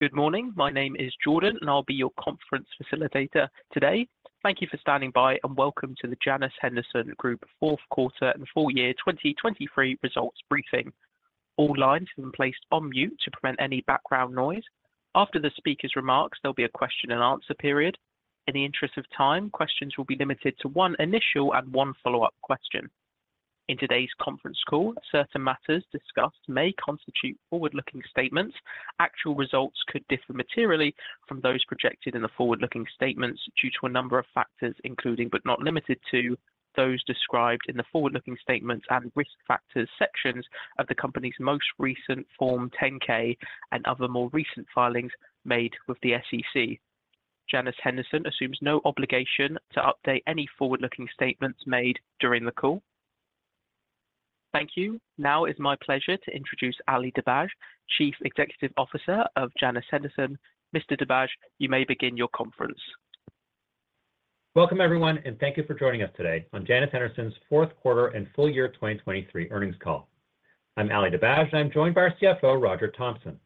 Good morning. My name is Jordan, and I'll be your conference facilitator today. Thank you for standing by, and welcome to the Janus Henderson Group fourth quarter and full year 2023 results briefing. All lines have been placed on mute to prevent any background noise. After the speaker's remarks, there'll be a question and answer period. In the interest of time, questions will be limited to one initial and one follow-up question. In today's conference call, certain matters discussed may constitute forward-looking statements. Actual results could differ materially from those projected in the forward-looking statements due to a number of factors, including, but not limited to, those described in the forward-looking statements and risk factors sections of the company's most recent Form 10-K and other more recent filings made with the SEC. Janus Henderson assumes no obligation to update any forward-looking statements made during the call. Thank you. Now, it's my pleasure to introduce Ali Dibadj, Chief Executive Officer of Janus Henderson. Mr. Dibadj, you may begin your conference. Welcome, everyone, and thank you for joining us today on Janus Henderson's fourth quarter and full year 2023 earnings call. I'm Ali Dibadj, and I'm joined by our CFO, Roger Thompson.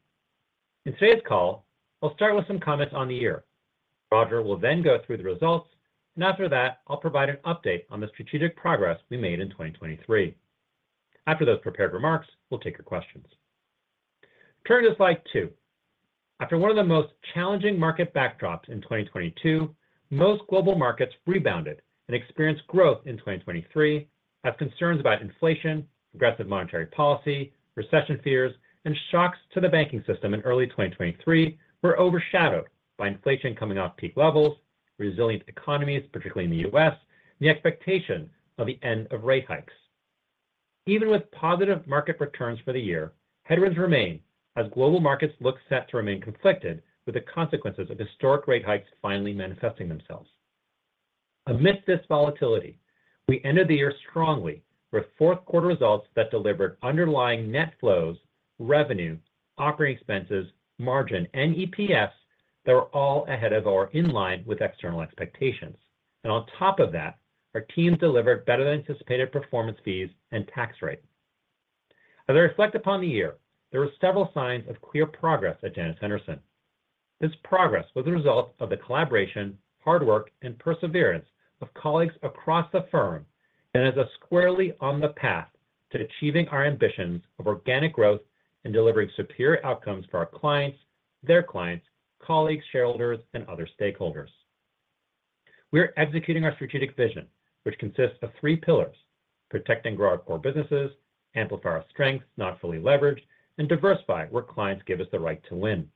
In today's call, I'll start with some comments on the year. Roger will then go through the results, and after that, I'll provide an update on the strategic progress we made in 2023. After those prepared remarks, we'll take your questions. Turn to slide two. After one of the most challenging market backdrops in 2022, most global markets rebounded and experienced growth in 2023, as concerns about inflation, aggressive monetary policy, recession fears, and shocks to the banking system in early 2023 were overshadowed by inflation coming off peak levels, resilient economies, particularly in the U.S., the expectation of the end of rate hikes. Even with positive market returns for the year, headwinds remain as global markets look set to remain conflicted, with the consequences of historic rate hikes finally manifesting themselves. Amidst this volatility, we ended the year strongly, with fourth quarter results that delivered underlying net flows, revenue, operating expenses, margin, and EPS that were all ahead of or in line with external expectations. On top of that, our teams delivered better than anticipated performance fees and tax rates. As I reflect upon the year, there were several signs of clear progress at Janus Henderson. This progress was a result of the collaboration, hard work, and perseverance of colleagues across the firm, and it is squarely on the path to achieving our ambitions of organic growth and delivering superior outcomes for our clients, their clients, colleagues, shareholders, and other stakeholders. We are executing our strategic vision, which consists of three pillars: protecting grow our core businesses, amplify our strengths not fully leveraged, and diversify where clients give us the right to win.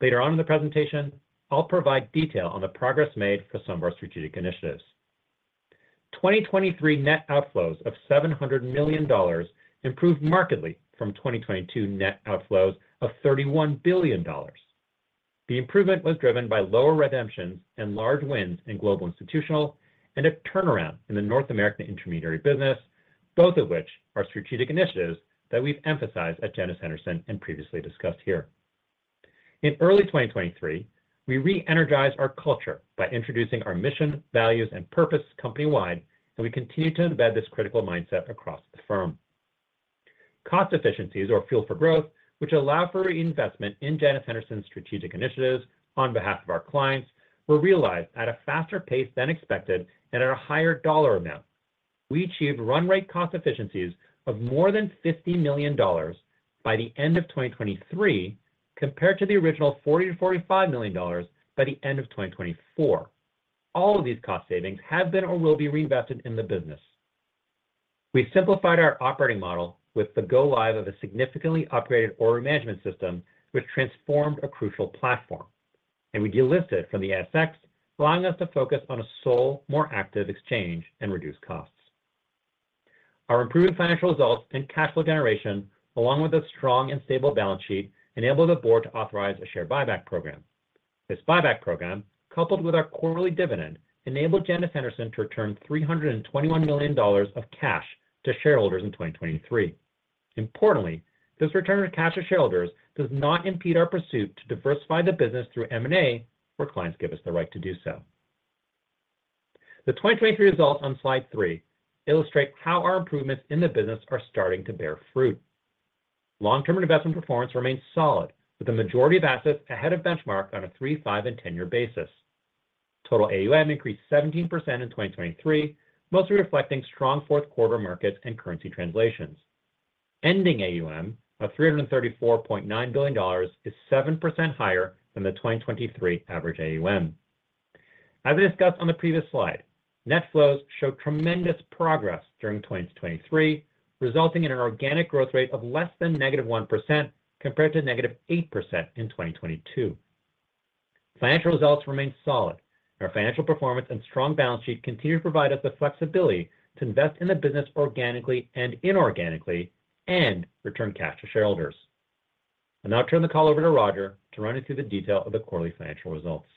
Later on in the presentation, I'll provide detail on the progress made for some of our strategic initiatives. 2023 net outflows of $700 million improved markedly from 2022 net outflows of $31 billion. The improvement was driven by lower redemptions and large wins in global institutional and a turnaround in the North American intermediary business, both of which are strategic initiatives that we've emphasized at Janus Henderson and previously discussed here. In early 2023, we re-energized our culture by introducing our mission, values, and purpose company-wide, and we continue to embed this critical mindset across the firm. Cost efficiencies or fuel for growth, which allow for reinvestment in Janus Henderson's strategic initiatives on behalf of our clients, were realized at a faster pace than expected and at a higher dollar amount. We achieved run rate cost efficiencies of more than $50 million by the end of 2023, compared to the original $40 million-$45 million by the end of 2024. All of these cost savings have been or will be reinvested in the business. We simplified our operating model with the go-live of a significantly upgraded order management system, which transformed a crucial platform. We delisted from the ASX, allowing us to focus on a sole, more active exchange and reduce costs. Our improved financial results and cash flow generation, along with a strong and stable balance sheet, enabled the board to authorize a share buyback program. This buyback program, coupled with our quarterly dividend, enabled Janus Henderson to return $321 million of cash to shareholders in 2023. Importantly, this return of cash to shareholders does not impede our pursuit to diversify the business through M&A, where clients give us the right to do so. The 2023 results on slide three illustrate how our improvements in the business are starting to bear fruit. Long-term investment performance remains solid, with the majority of assets ahead of benchmark on a three, five, and 10 year basis. Total AUM increased 17% in 2023, mostly reflecting strong fourth quarter markets and currency translations. Ending AUM of $334.9 billion is 7% higher than the 2023 average AUM. As I discussed on the previous slide, net flows showed tremendous progress during 2023, resulting in an organic growth rate of less than -1%, compared to -8% in 2022. Financial results remain solid, and our financial performance and strong balance sheet continue to provide us the flexibility to invest in the business organically and inorganically and return cash to shareholders. I'll now turn the call over to Roger to run us through the detail of the quarterly financial results.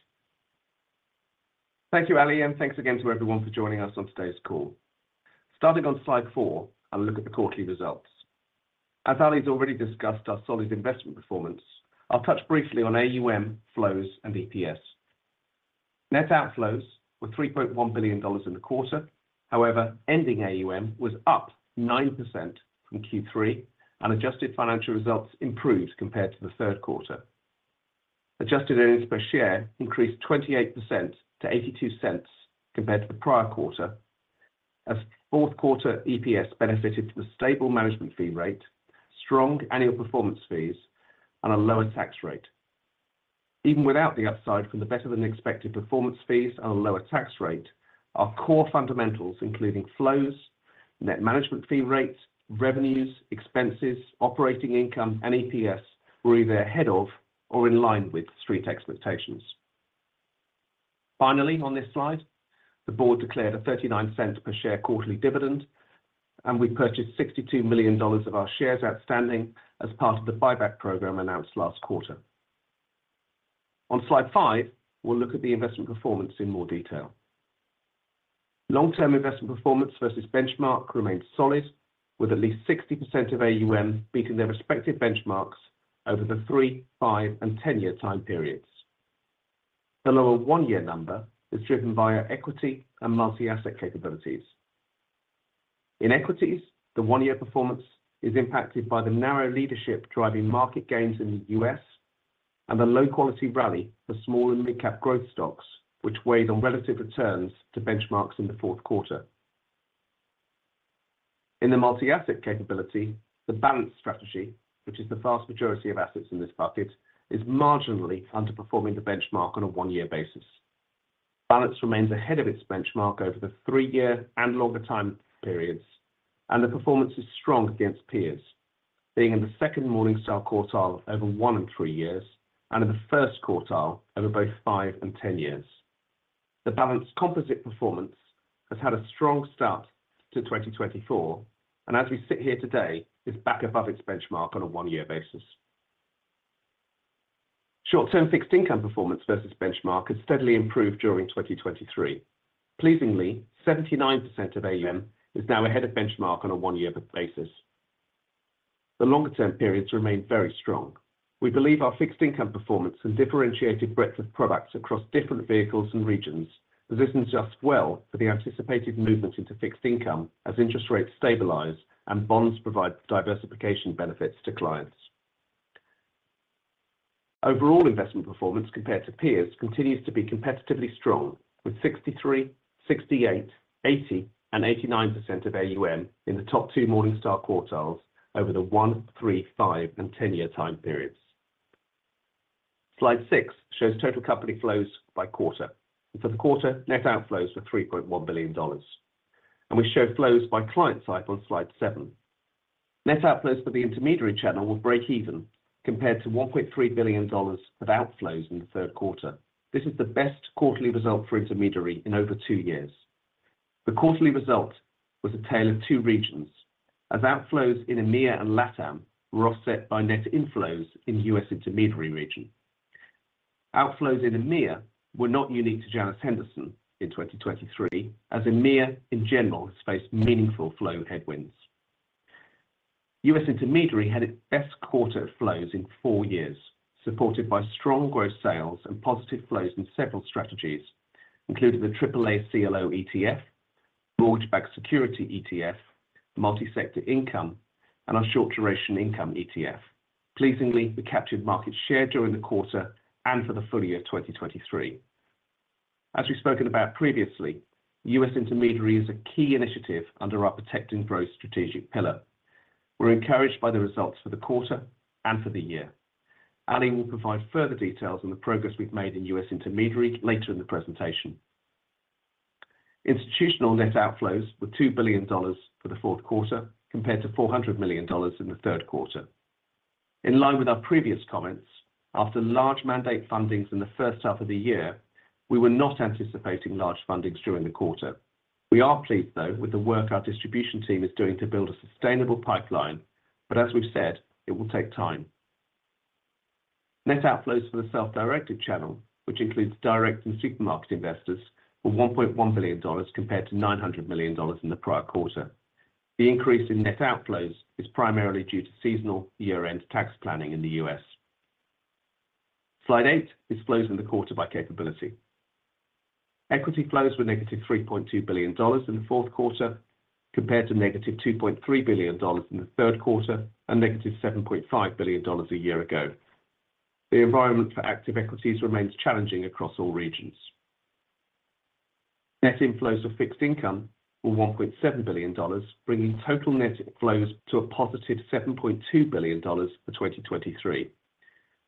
Thank you, Ali, and thanks again to everyone for joining us on today's call. Starting on slide four, I'll look at the quarterly results. As Ali's already discussed our solid investment performance, I'll touch briefly on AUM, flows, and EPS.... Net outflows were $3.1 billion in the quarter. However, ending AUM was up 9% from Q3, and adjusted financial results improved compared to the third quarter. Adjusted earnings per share increased 28% to $0.82 compared to the prior quarter, as fourth quarter EPS benefited from a stable management fee rate, strong annual performance fees, and a lower tax rate. Even without the upside from the better-than-expected performance fees and a lower tax rate, our core fundamentals, including flows, net management fee rates, revenues, expenses, operating income, and EPS, were either ahead of or in line with street expectations. Finally, on this slide, the board declared a $0.39 per share quarterly dividend, and we purchased $62 million of our shares outstanding as part of the buyback program announced last quarter. On slide five, we'll look at the investment performance in more detail. Long-term investment performance versus benchmark remained solid, with at least 60% of AUM beating their respective benchmarks over the three, five, and 10 year time periods. The lower one year number is driven via equity and multi-asset capabilities. In equities, the one year performance is impacted by the narrow leadership driving market gains in the U.S. and the low-quality rally for small and mid-cap growth stocks, which weighed on relative returns to benchmarks in the fourth quarter. In the multi-asset capability, the Balanced Strategy, which is the vast majority of assets in this bucket, is marginally underperforming the benchmark on a one year basis. Balance remains ahead of its benchmark over the three year and longer time periods, and the performance is strong against peers, being in the second Morningstar quartile over one and three years, and in the first quartile over both five and 10 years. The balanced composite performance has had a strong start to 2024, and as we sit here today, is back above its benchmark on a one year basis. Short-term fixed income performance versus benchmark has steadily improved during 2023. Pleasingly, 79% of AUM is now ahead of benchmark on a one year basis. The longer-term periods remain very strong. We believe our fixed income performance and differentiated breadth of products across different vehicles and regions positions us well for the anticipated movement into fixed income as interest rates stabilize and bonds provide diversification benefits to clients. Overall investment performance compared to peers continues to be competitively strong, with 63, 68, 80, and 89% of AUM in the top two Morningstar quartiles over the one, three, five, and 10 year time periods. Slide six shows total company flows by quarter. For the quarter, net outflows were $3.1 billion, and we show flows by client type on slide seven. Net outflows for the intermediary channel were break even, compared to $1.3 billion of outflows in the third quarter. This is the best quarterly result for intermediary in over two years. The quarterly result was a tale of two regions, as outflows in EMEA and LATAM were offset by net inflows in the U.S. intermediary region. Outflows in EMEA were not unique to Janus Henderson in 2023, as EMEA, in general, has faced meaningful flow headwinds. U.S. intermediary had its best quarter of flows in four years, supported by strong growth sales and positive flows in several strategies, including the AAA CLO ETF, Mortgage-Backed Security ETF, Multi-Sector Income, and our Short Duration Income ETF. Pleasingly, we captured market share during the quarter and for the full year, 2023. As we've spoken about previously, U.S. intermediary is a key initiative under our protect and growth strategic pillar. We're encouraged by the results for the quarter and for the year. Ali will provide further details on the progress we've made in U.S. intermediary later in the presentation. Institutional net outflows were $2 billion for the fourth quarter, compared to $400 million in the third quarter. In line with our previous comments, after large mandate fundings in the first half of the year, we were not anticipating large fundings during the quarter. We are pleased, though, with the work our distribution team is doing to build a sustainable pipeline, but as we've said, it will take time. Net outflows for the self-directed channel, which includes direct and supermarket investors, were $1.1 billion, compared to $900 million in the prior quarter. The increase in net outflows is primarily due to seasonal year-end tax planning in the U.S. Slide eight is flows in the quarter by capability. Equity flows were -$3.2 billion in the fourth quarter, compared to -$2.3 billion in the third quarter and -$7.5 billion a year ago. The environment for active equities remains challenging across all regions. Net inflows of fixed income were $1.7 billion, bringing total net inflows to +$7.2 billion for 2023.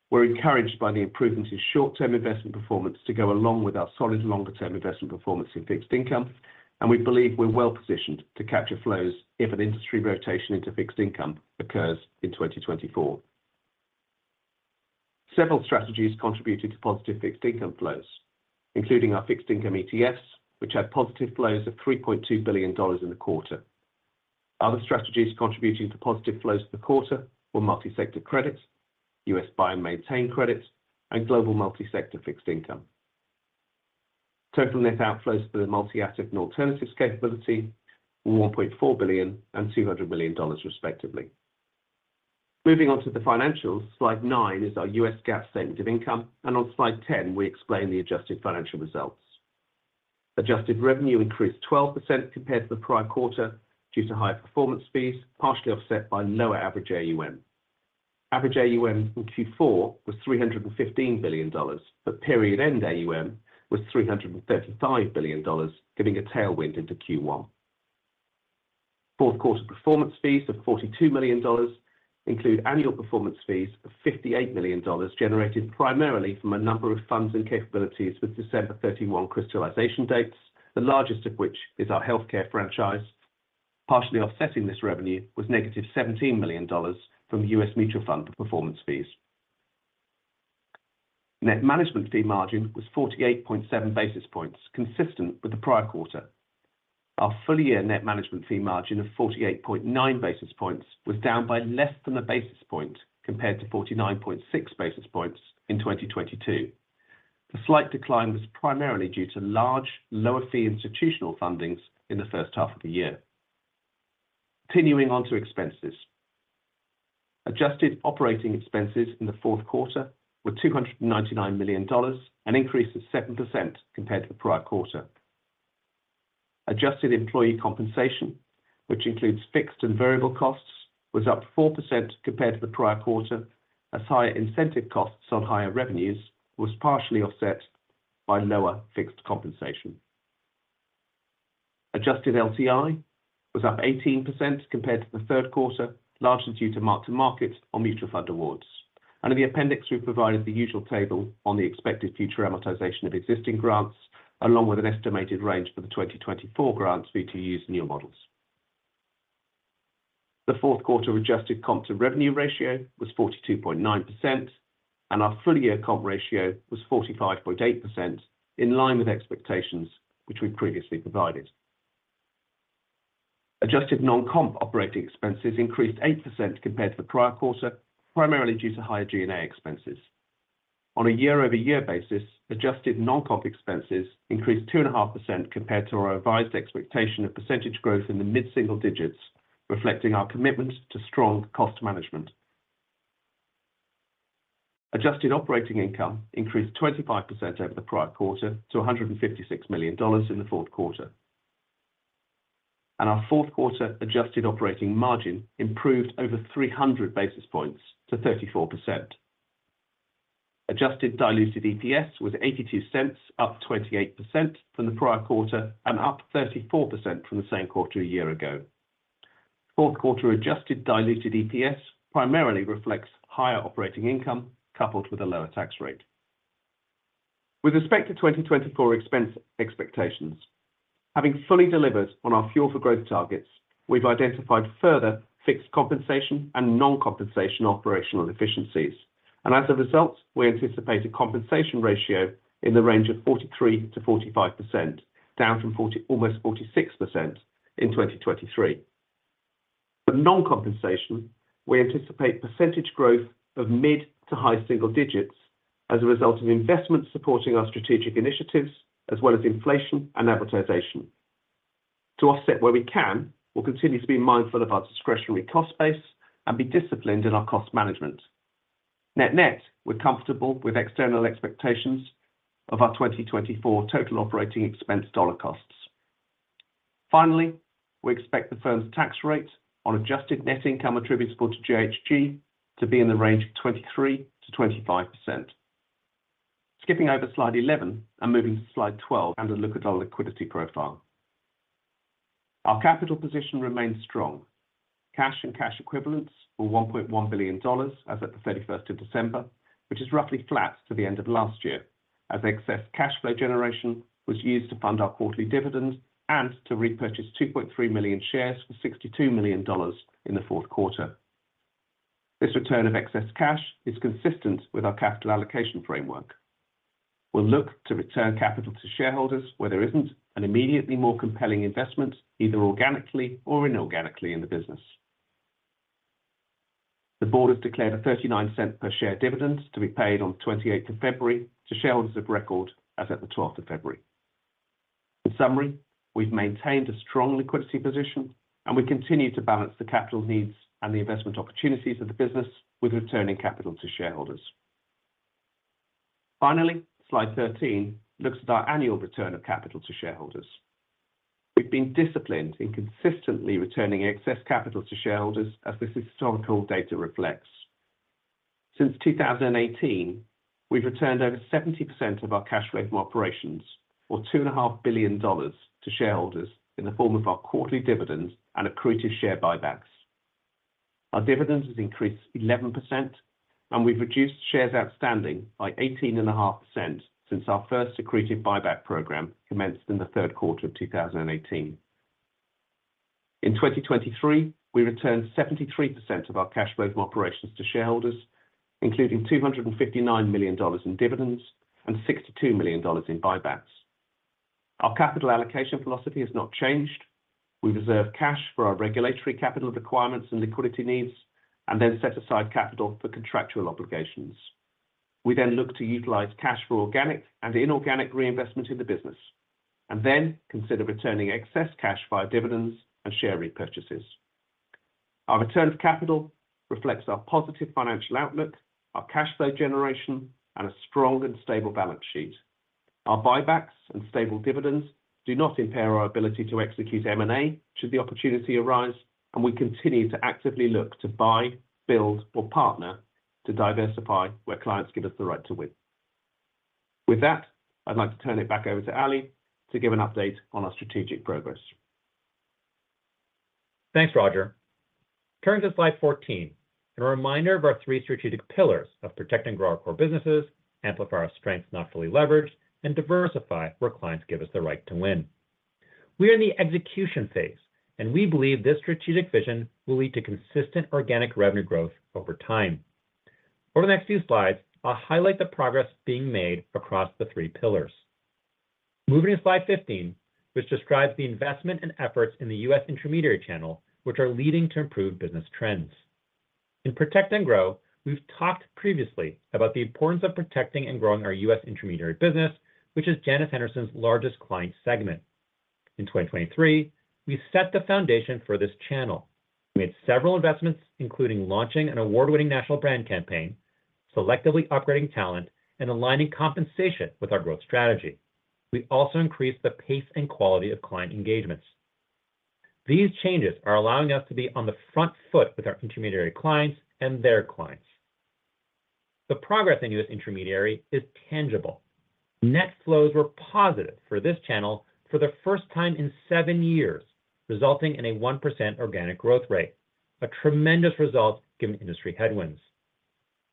We're encouraged by the improvements in short-term investment performance to go along with our solid longer-term investment performance in fixed income, and we believe we're well positioned to capture flows if an industry rotation into fixed income occurs in 2024. Several strategies contributed to positive fixed income flows, including our fixed income ETFs, which had positive flows of $3.2 billion in the quarter. Other strategies contributing to positive flows for the quarter were Multi-Sector Credit, U.S. Buy and Maintain Credit, and Global Multi-Sector Fixed Income. Total net outflows for the multi-asset and alternatives capability were $1.4 billion and $200 million, respectively. Moving on to the financials, slide nine is our US GAAP statement of income, and on slide 10, we explain the adjusted financial results. Adjusted revenue increased 12% compared to the prior quarter due to higher performance fees, partially offset by lower average AUM. Average AUM in Q4 was $315 billion, but period-end AUM was $335 billion, giving a tailwind into Q1. Fourth quarter performance fees of $42 million include annual performance fees of $58 million, generated primarily from a number of funds and capabilities, with December 31 crystallization dates, the largest of which is our healthcare franchise. Partially offsetting this revenue was -$17 million from US mutual fund performance fees. Net management fee margin was 48.7 basis points, consistent with the prior quarter. Our full-year net management fee margin of 48.9 basis points was down by less than a basis point compared to 49.6 basis points in 2022. The slight decline was primarily due to large, lower fee institutional fundings in the first half of the year. Continuing on to expenses. Adjusted operating expenses in the fourth quarter were $299 million, an increase of 7% compared to the prior quarter. Adjusted employee compensation, which includes fixed and variable costs, was up 4% compared to the prior quarter, as higher incentive costs on higher revenues was partially offset by lower fixed compensation. Adjusted LTI was up 18% compared to the third quarter, largely due to mark-to-markets on mutual fund awards. In the appendix, we've provided the usual table on the expected future amortization of existing grants, along with an estimated range for the 2024 grants fee to use new models. The fourth quarter adjusted comp-to-revenue ratio was 42.9%, and our full-year comp ratio was 45.8%, in line with expectations which we've previously provided. Adjusted non-comp operating expenses increased 8% compared to the prior quarter, primarily due to higher G&A expenses. On a year-over-year basis, adjusted non-comp expenses increased 2.5% compared to our revised expectation of percentage growth in the mid-single digits, reflecting our commitment to strong cost management. Adjusted operating income increased 25% over the prior quarter to $156 million in the fourth quarter. Our fourth quarter adjusted operating margin improved over 300 basis points to 34%. Adjusted diluted EPS was $0.82, up 28% from the prior quarter and up 34% from the same quarter a year ago. Fourth quarter adjusted diluted EPS primarily reflects higher operating income, coupled with a lower tax rate. With respect to 2024 expense expectations, having fully delivered on our Fuel for Growth targets, we've identified further fixed compensation and non-compensation operational efficiencies, and as a result, we anticipate a compensation ratio in the range of 43%-45%, down from almost 46% in 2023. For non-compensation, we anticipate percentage growth of mid- to high-single-digits as a result of investments supporting our strategic initiatives, as well as inflation and amortization. To offset where we can, we'll continue to be mindful of our discretionary cost base and be disciplined in our cost management. Net-net, we're comfortable with external expectations of our 2024 total operating expense dollar costs. Finally, we expect the firm's tax rate on adjusted net income attributable to JHG to be in the range of 23%-25%. Skipping over slide 11 and moving to slide 12 and a look at our liquidity profile. Our capital position remains strong. Cash and cash equivalents were $1.1 billion as at the December 31st, which is roughly flat to the end of last year, as excess cash flow generation was used to fund our quarterly dividend and to repurchase 2.3 million shares for $62 million in the fourth quarter. This return of excess cash is consistent with our capital allocation framework. We'll look to return capital to shareholders where there isn't an immediately more compelling investment, either organically or inorganically in the business. The board has declared a $0.39 per share dividend to be paid on the February 28th to shareholders of record as at the February 12th. In summary, we've maintained a strong liquidity position, and we continue to balance the capital needs and the investment opportunities of the business with returning capital to shareholders. Finally, slide 13 looks at our annual return of capital to shareholders. We've been disciplined in consistently returning excess capital to shareholders, as this historical data reflects. Since 2018, we've returned over 70% of our cash flow from operations, or $2.5 billion, to shareholders in the form of our quarterly dividends and accretive share buybacks. Our dividend has increased 11%, and we've reduced shares outstanding by 18.5% since our first accretive buyback program commenced in the third quarter of 2018. In 2023, we returned 73% of our cash flow from operations to shareholders, including $259 million in dividends and $62 million in buybacks. Our capital allocation philosophy has not changed. We reserve cash for our regulatory capital requirements and liquidity needs, and then set aside capital for contractual obligations. We then look to utilize cash for organic and inorganic reinvestment in the business, and then consider returning excess cash via dividends and share repurchases. Our return of capital reflects our positive financial outlook, our cash flow generation, and a strong and stable balance sheet. Our buybacks and stable dividends do not impair our ability to execute M&A, should the opportunity arise, and we continue to actively look to buy, build, or partner to diversify where clients give us the right to win. With that, I'd like to turn it back over to Ali to give an update on our strategic progress. Thanks, Roger. Turning to slide 14, and a reminder of our three strategic pillars of protecting and growing our core businesses, amplify our strengths not fully leveraged, and diversify where clients give us the right to win. We are in the execution phase, and we believe this strategic vision will lead to consistent organic revenue growth over time. Over the next few slides, I'll highlight the progress being made across the three pillars. Moving to slide 15, which describes the investment and efforts in the U.S. intermediary channel, which are leading to improved business trends. In Protect and Grow, we've talked previously about the importance of protecting and growing our U.S. intermediary business, which is Janus Henderson's largest client segment. In 2023, we set the foundation for this channel. We made several investments, including launching an award-winning national brand campaign, selectively upgrading talent, and aligning compensation with our growth strategy. We also increased the pace and quality of client engagements. These changes are allowing us to be on the front foot with our intermediary clients and their clients. The progress in U.S. intermediary is tangible. Net flows were positive for this channel for the first time in seven years, resulting in a 1% organic growth rate, a tremendous result given industry headwinds.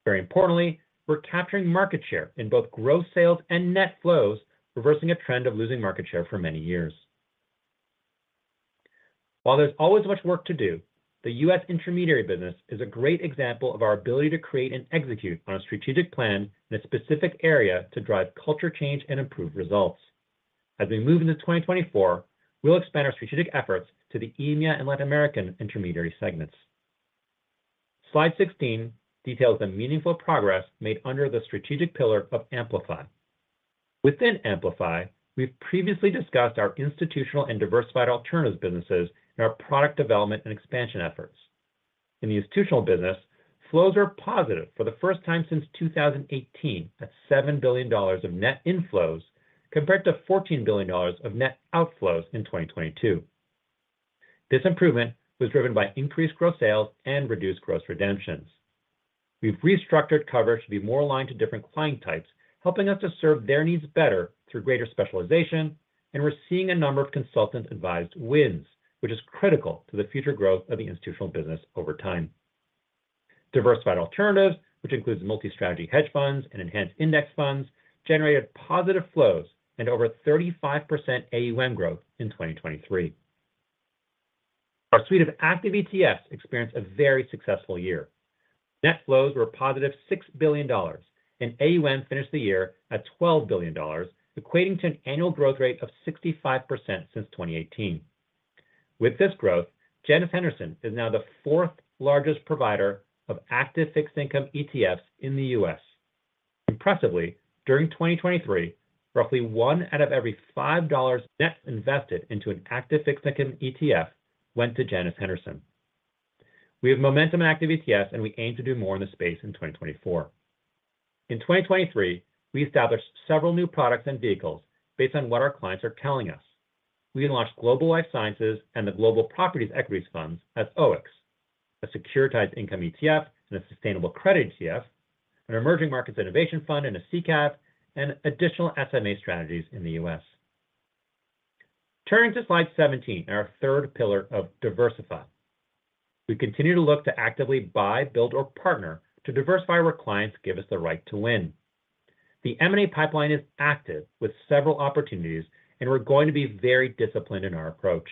Very importantly, we're capturing market share in both growth, sales, and net flows, reversing a trend of losing market share for many years. While there's always much work to do, the U.S. intermediary business is a great example of our ability to create and execute on a strategic plan in a specific area to drive culture change and improve results. As we move into 2024, we'll expand our strategic efforts to the EMEA and Latin American intermediary segments. Slide 16 details the meaningful progress made under the strategic pillar of Amplify. Within Amplify, we've previously discussed our institutional and diversified alternatives businesses and our product development and expansion efforts. In the institutional business, flows are positive for the first time since 2018, at $7 billion of net inflows, compared to $14 billion of net outflows in 2022. This improvement was driven by increased gross sales and reduced gross redemptions. We've restructured coverage to be more aligned to different client types, helping us to serve their needs better through greater specialization, and we're seeing a number of consultant-advised wins, which is critical to the future growth of the institutional business over time. Diversified alternatives, which includes multi-strategy hedge funds and enhanced index funds, generated positive flows and over 35% AUM growth in 2023. Our suite of active ETFs experienced a very successful year. Net flows were positive $6 billion, and AUM finished the year at $12 billion, equating to an annual growth rate of 65% since 2018. With this growth, Janus Henderson is now the fourth largest provider of active fixed income ETFs in the U.S. Impressively, during 2023, roughly one out of every five dollars net invested into an active fixed income ETF went to Janus Henderson. We have momentum in active ETFs, and we aim to do more in this space in 2024. In 2023, we established several new products and vehicles based on what our clients are telling us. We launched Global Life Sciences and the Global Property Equities Funds as OEICs, a Securitized Income ETF and a Sustainable Credit ETF, an Emerging Markets Innovation Fund and a SICAV, and additional SMA strategies in the U.S.. Turning to Slide 17, our third pillar of diversify. We continue to look to actively buy, build, or partner to diversify where clients give us the right to win. The M&A pipeline is active with several opportunities, and we're going to be very disciplined in our approach.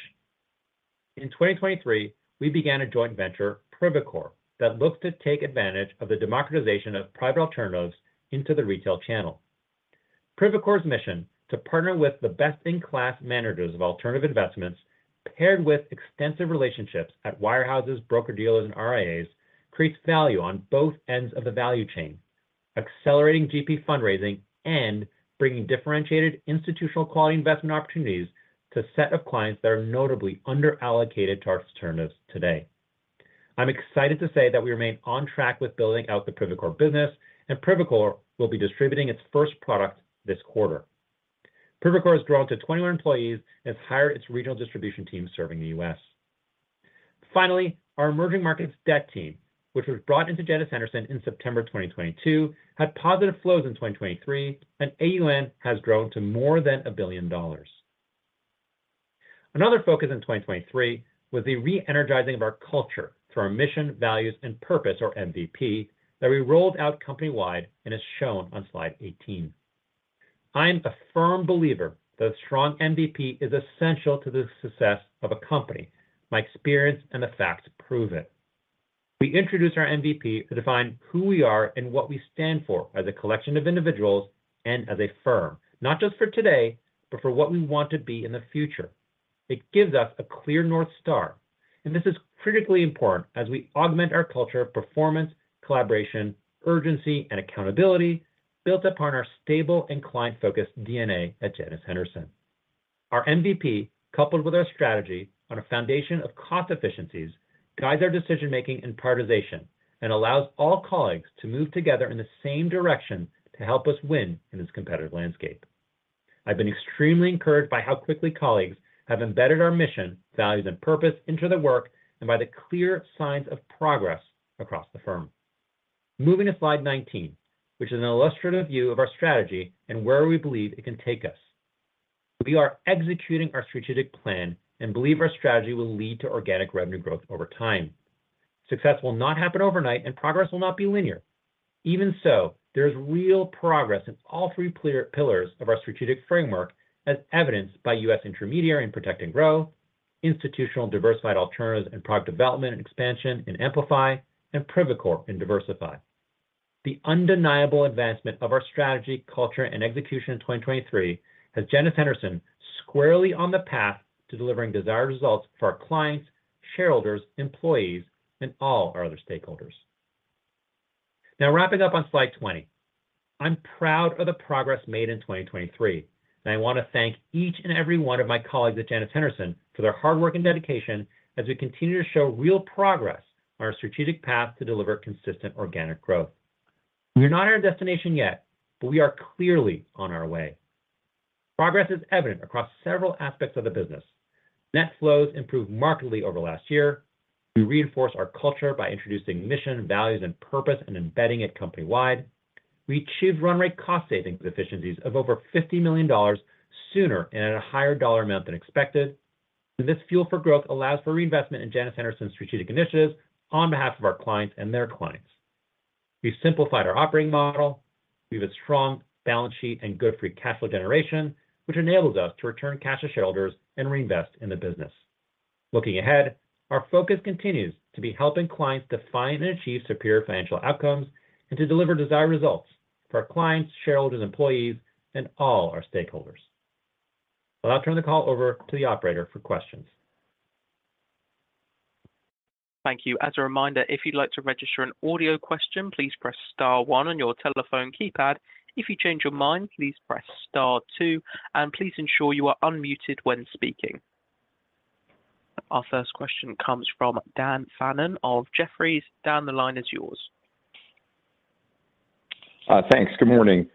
In 2023, we began a joint venture, Privacore, that looks to take advantage of the democratization of private alternatives into the retail channel. Privacore's mission: to partner with the best-in-class managers of alternative investments, paired with extensive relationships at wirehouses, broker-dealers, and RIAs, creates value on both ends of the value chain, accelerating GP fundraising and bringing differentiated institutional quality investment opportunities to a set of clients that are notably underallocated to our alternatives today. I'm excited to say that we remain on track with building out the Privacore business, and Privacore will be distributing its first product this quarter. Privacore has grown to 21 employees and has hired its regional distribution team serving the U.S. Finally, our emerging markets debt team, which was brought into Janus Henderson in September 2022, had positive flows in 2023, and AUM has grown to more than $1 billion. Another focus in 2023 was the re-energizing of our culture through our mission, values, and purpose, or MVP, that we rolled out company-wide and is shown on slide 18. I am a firm believer that a strong MVP is essential to the success of a company. My experience and the facts prove it. We introduced our MVP to define who we are and what we stand for as a collection of individuals and as a firm, not just for today, but for what we want to be in the future.... It gives us a clear North Star, and this is critically important as we augment our culture of performance, collaboration, urgency, and accountability, built upon our stable and client-focused DNA at Janus Henderson. Our MVP, coupled with our strategy on a foundation of cost efficiencies, guides our decision-making and prioritization and allows all colleagues to move together in the same direction to help us win in this competitive landscape. I've been extremely encouraged by how quickly colleagues have embedded our mission, values, and purpose into their work and by the clear signs of progress across the firm. Moving to slide 19, which is an illustrative view of our strategy and where we believe it can take us. We are executing our strategic plan and believe our strategy will lead to organic revenue growth over time. Success will not happen overnight, and progress will not be linear. Even so, there's real progress in all three pillars of our strategic framework, as evidenced by U.S. intermediary in protect and grow, institutional and diversified alternatives and product development and expansion in amplify, and Privacore in diversify. The undeniable advancement of our strategy, culture, and execution in 2023 has Janus Henderson squarely on the path to delivering desired results for our clients, shareholders, employees, and all our other stakeholders. Now, wrapping up on slide 20. I'm proud of the progress made in 2023, and I want to thank each and every one of my colleagues at Janus Henderson for their hard work and dedication as we continue to show real progress on our strategic path to deliver consistent organic growth. We are not at our destination yet, but we are clearly on our way. Progress is evident across several aspects of the business. Net flows improved markedly over last year. We reinforce our culture by introducing mission, values, and purpose and embedding it company-wide. We achieved run rate cost savings and efficiencies of over $50 million sooner and at a higher dollar amount than expected. This Fuel for Growth allows for reinvestment in Janus Henderson's strategic initiatives on behalf of our clients and their clients. We've simplified our operating model. We have a strong balance sheet and good free cash flow generation, which enables us to return cash to shareholders and reinvest in the business. Looking ahead, our focus continues to be helping clients define and achieve superior financial outcomes and to deliver desired results for our clients, shareholders, employees, and all our stakeholders. Well, I'll turn the call over to the operator for questions. Thank you. As a reminder, if you'd like to register an audio question, please press star one on your telephone keypad. If you change your mind, please press star two, and please ensure you are unmuted when speaking. Our first question comes from Dan Fannon of Jefferies. Dan, the line is yours. Thanks. Good morning.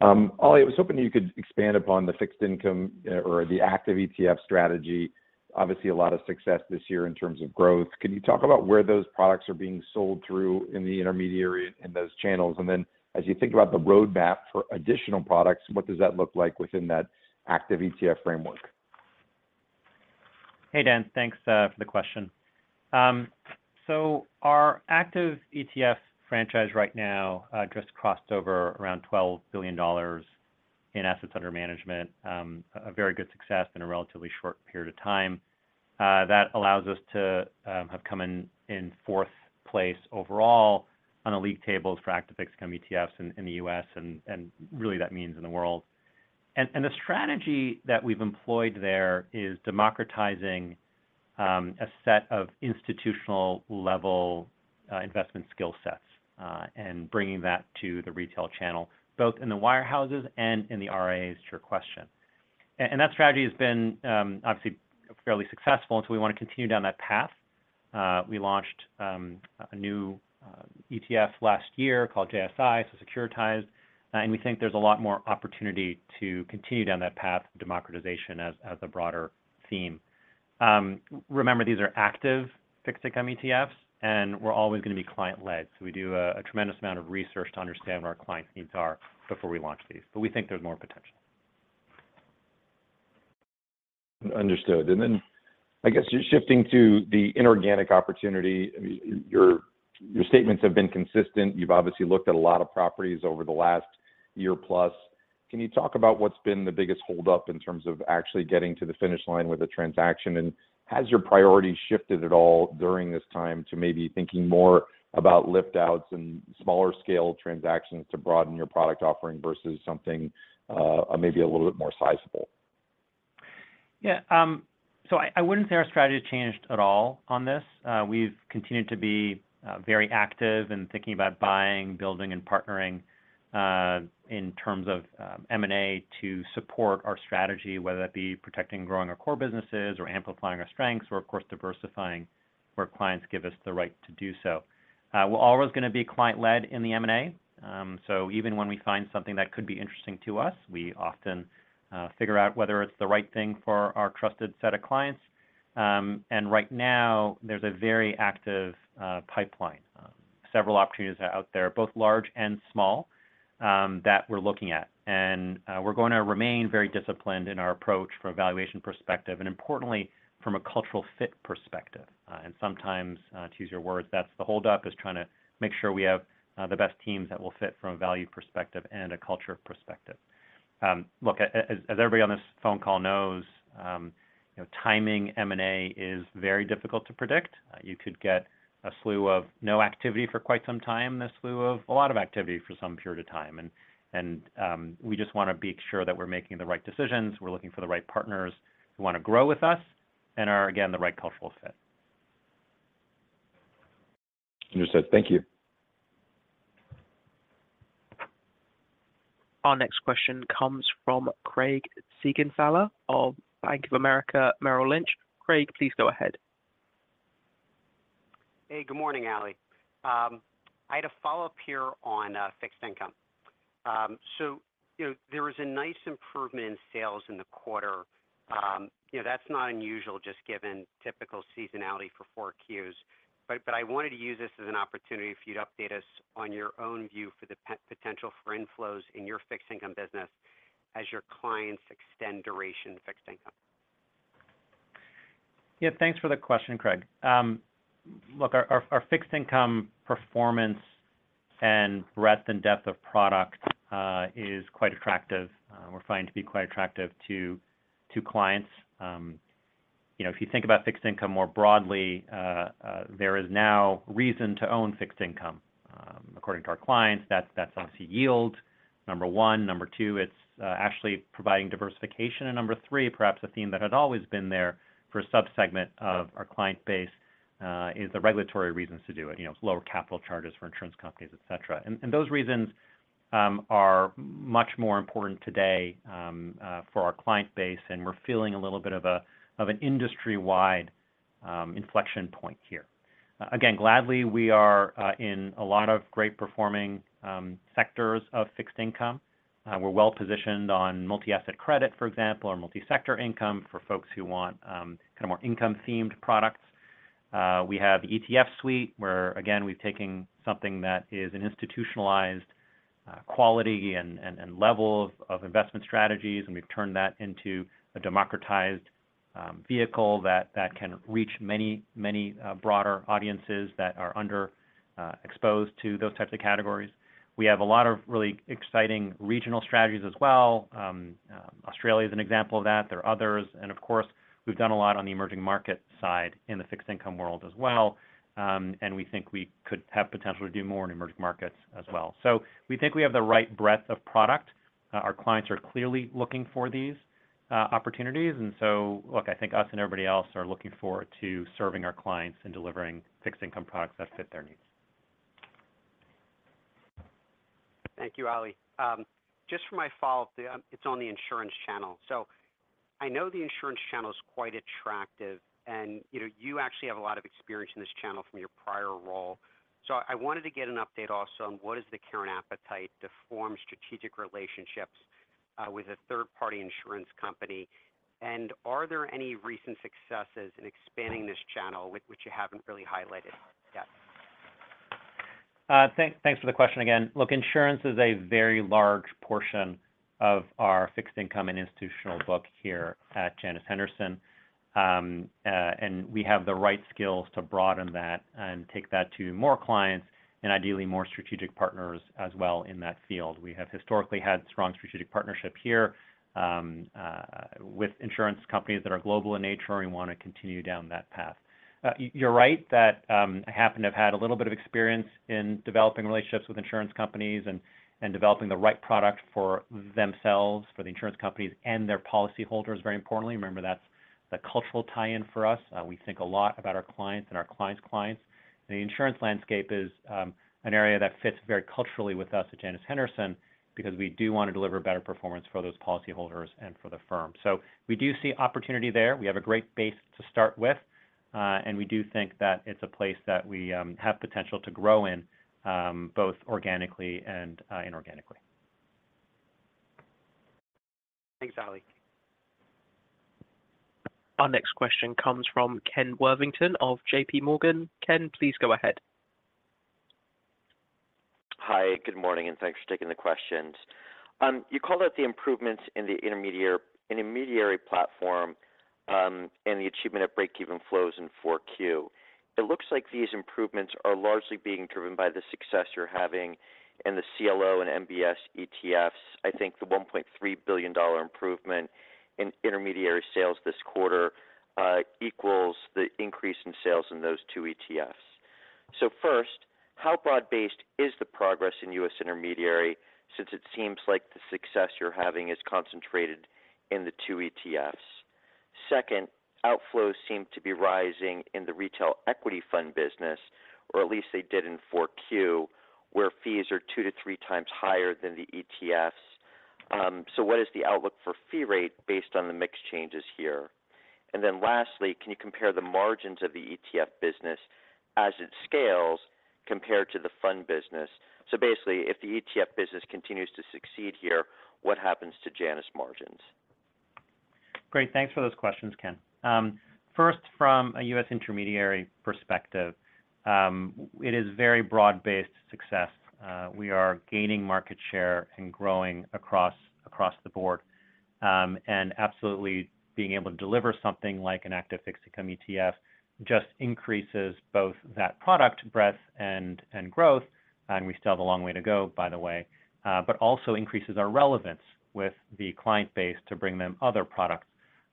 Ali, I was hoping you could expand upon the fixed income or the active ETF strategy. Obviously, a lot of success this year in terms of growth. Can you talk about where those products are being sold through in the intermediary and those channels? And then as you think about the roadmap for additional products, what does that look like within that active ETF framework? Hey, Dan. Thanks for the question. So our active ETF franchise right now just crossed over around $12 billion in assets under management. A very good success in a relatively short period of time. That allows us to have come in fourth place overall on the league tables for active fixed income ETFs in the US and really, that means in the world. And the strategy that we've employed there is democratizing a set of institutional-level investment skill sets and bringing that to the retail channel, both in the wirehouses and in the RIAs, to your question. And that strategy has been obviously fairly successful, and so we want to continue down that path. We launched a new ETF last year called JSI, so securitized, and we think there's a lot more opportunity to continue down that path of democratization as a broader theme. Remember, these are active fixed income ETFs, and we're always going to be client-led. So we do a tremendous amount of research to understand what our clients' needs are before we launch these, but we think there's more potential. Understood. And then I guess just shifting to the inorganic opportunity, I mean, your, your statements have been consistent. You've obviously looked at a lot of properties over the last year plus. Can you talk about what's been the biggest hold-up in terms of actually getting to the finish line with a transaction? And has your priority shifted at all during this time to maybe thinking more about lift outs and smaller scale transactions to broaden your product offering versus something, maybe a little bit more sizable? Yeah, so I wouldn't say our strategy has changed at all on this. We've continued to be very active in thinking about buying, building, and partnering in terms of M&A to support our strategy, whether that be protecting and growing our core businesses or amplifying our strengths or, of course, diversifying where clients give us the right to do so. We're always gonna be client-led in the M&A. So even when we find something that could be interesting to us, we often figure out whether it's the right thing for our trusted set of clients. And right now, there's a very active pipeline. Several opportunities out there, both large and small, that we're looking at. And we're going to remain very disciplined in our approach from a valuation perspective, and importantly, from a cultural fit perspective. And sometimes, to use your words, that's the hold-up, is trying to make sure we have the best teams that will fit from a value perspective and a culture perspective. Look, as everybody on this phone call knows, you know, timing M&A is very difficult to predict. You could get a slew of no activity for quite some time and a slew of a lot of activity for some period of time. And we just want to be sure that we're making the right decisions, we're looking for the right partners who want to grow with us and are, again, the right cultural fit.... Understood. Thank you. Our next question comes from Craig Siegenthaler of Bank of America, Merrill Lynch. Craig, please go ahead. Hey, good morning, Ali. I had a follow-up here on fixed income. So, you know, there was a nice improvement in sales in the quarter. You know, that's not unusual, just given typical seasonality for four Qs. But I wanted to use this as an opportunity if you'd update us on your own view for the potential for inflows in your fixed income business as your clients extend duration fixed income. Yeah, thanks for the question, Craig. Look, our fixed income performance and breadth and depth of product is quite attractive. We're finding to be quite attractive to clients. You know, if you think about fixed income more broadly, there is now reason to own fixed income. According to our clients, that's obviously yield, number one. Number two, it's actually providing diversification. And number three, perhaps a theme that had always been there for a subsegment of our client base is the regulatory reasons to do it, you know, lower capital charges for insurance companies, et cetera. And those reasons are much more important today for our client base, and we're feeling a little bit of a of an industry-wide inflection point here. Again, gladly, we are in a lot of great performing sectors of fixed income. We're well positioned on multi-asset credit, for example, or Multi-Sector Income for folks who want kind of more income-themed products. We have ETF suite, where again, we've taken something that is an institutionalized quality and level of investment strategies, and we've turned that into a democratized vehicle that can reach many, many broader audiences that are under-exposed to those types of categories. We have a lot of really exciting regional strategies as well. Australia is an example of that. There are others, and of course, we've done a lot on the emerging market side in the fixed income world as well. And we think we could have potential to do more in emerging markets as well. So we think we have the right breadth of product. Our clients are clearly looking for these opportunities. And so look, I think us and everybody else are looking forward to serving our clients and delivering fixed income products that fit their needs. Thank you, Ali. Just for my follow-up, it's on the insurance channel. So I know the insurance channel is quite attractive, and, you know, you actually have a lot of experience in this channel from your prior role. So I wanted to get an update also on what is the current appetite to form strategic relationships with a third-party insurance company, and are there any recent successes in expanding this channel with which you haven't really highlighted yet? Thanks for the question again. Look, insurance is a very large portion of our fixed income and institutional book here at Janus Henderson. And we have the right skills to broaden that and take that to more clients and ideally more strategic partners as well in that field. We have historically had strong strategic partnership here, with insurance companies that are global in nature, and we want to continue down that path. You're right that, I happen to have had a little bit of experience in developing relationships with insurance companies and, and developing the right product for themselves, for the insurance companies and their policyholders, very importantly. Remember, that's the cultural tie-in for us. We think a lot about our clients and our clients' clients. The insurance landscape is an area that fits very culturally with us at Janus Henderson because we do want to deliver better performance for those policyholders and for the firm. So we do see opportunity there. We have a great base to start with, and we do think that it's a place that we have potential to grow in, both organically and inorganically. Thanks, Ali. Our next question comes from Ken Worthington of JPMorgan. Ken, please go ahead. Hi, good morning, and thanks for taking the questions. You called out the improvements in the intermediary platform, and the achievement of break-even flows in 4Q. It looks like these improvements are largely being driven by the success you're having in the CLO and MBS ETFs. I think the $1.3 billion improvement in intermediary sales this quarter equals the increase in sales in those two ETFs. So first, how broad-based is the progress in U.S. intermediary, since it seems like the success you're having is concentrated in the two ETFs? Second, outflows seem to be rising in the retail equity fund business, or at least they did in 4Q, where fees are two to three times higher than the ETFs. So what is the outlook for fee rate based on the mix changes here? Then lastly, can you compare the margins of the ETF business as it scales compared to the fund business? Basically, if the ETF business continues to succeed here, what happens to Janus margins? Great, thanks for those questions, Ken. First, from a U.S. intermediary perspective, it is very broad-based success. We are gaining market share and growing across the board. And absolutely, being able to deliver something like an active fixed income ETF just increases both that product breadth and growth, and we still have a long way to go, by the way. But also increases our relevance with the client base to bring them other products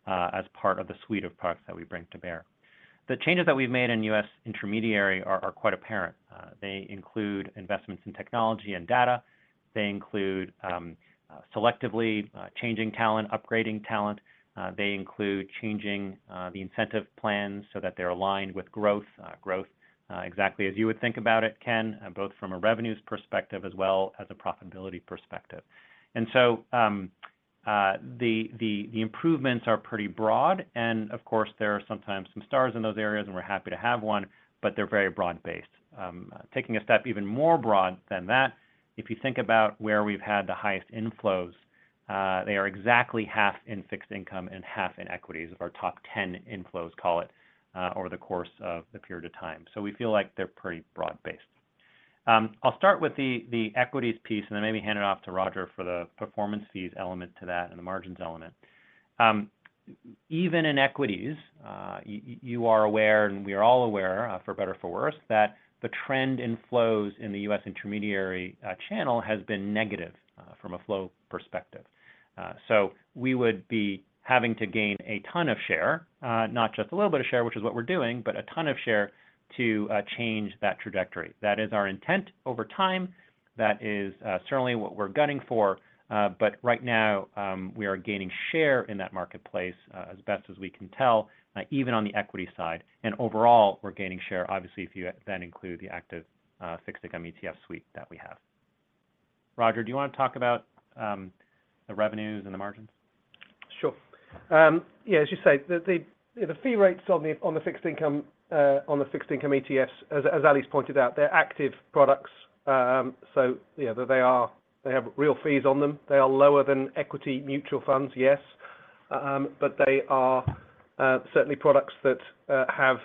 as part of the suite of products that we bring to bear. The changes that we've made in U.S. intermediary are quite apparent. They include investments in technology and data. They include selectively changing talent, upgrading talent. They include changing the incentive plans so that they're aligned with growth exactly as you would think about it, Ken, both from a revenues perspective as well as a profitability perspective. The improvements are pretty broad, and of course, there are sometimes some stars in those areas, and we're happy to have one, but they're very broad-based. Taking a step even more broad than that, if you think about where we've had the highest inflows, they are exactly half in fixed income and half in equities, of our top 10 inflows, call it, over the course of the period of time. So we feel like they're pretty broad-based. I'll start with the equities piece and then maybe hand it off to Roger for the performance fees element to that and the margins element. Even in equities, you are aware, and we are all aware, for better or for worse, that the trend inflows in the U.S. intermediary channel has been negative from a flow perspective. So we would be having to gain a ton of share, not just a little bit of share, which is what we're doing, but a ton of share to change that trajectory. That is our intent over time. That is certainly what we're gunning for, but right now, we are gaining share in that marketplace, as best as we can tell, even on the equity side. And overall, we're gaining share, obviously, if you then include the active fixed income ETF suite that we have. Roger, do you want to talk about the revenues and the margins? Sure. Yeah, as you say, the fee rates on the fixed income ETFs, as Ali's pointed out, they're active products. So yeah, they are. They have real fees on them. They are lower than equity mutual funds, yes, but they are certainly products that have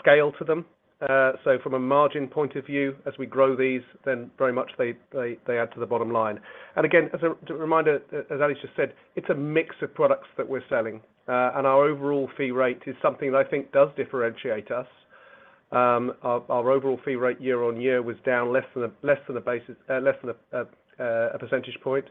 scale to them. So from a margin point of view, as we grow these, then very much they add to the bottom line. And again, as a reminder, as Ali just said, it's a mix of products that we're selling, and our overall fee rate is something that I think does differentiate us. Our overall fee rate year-on-year was down less than a, less than a basis, less than a, a percentage point.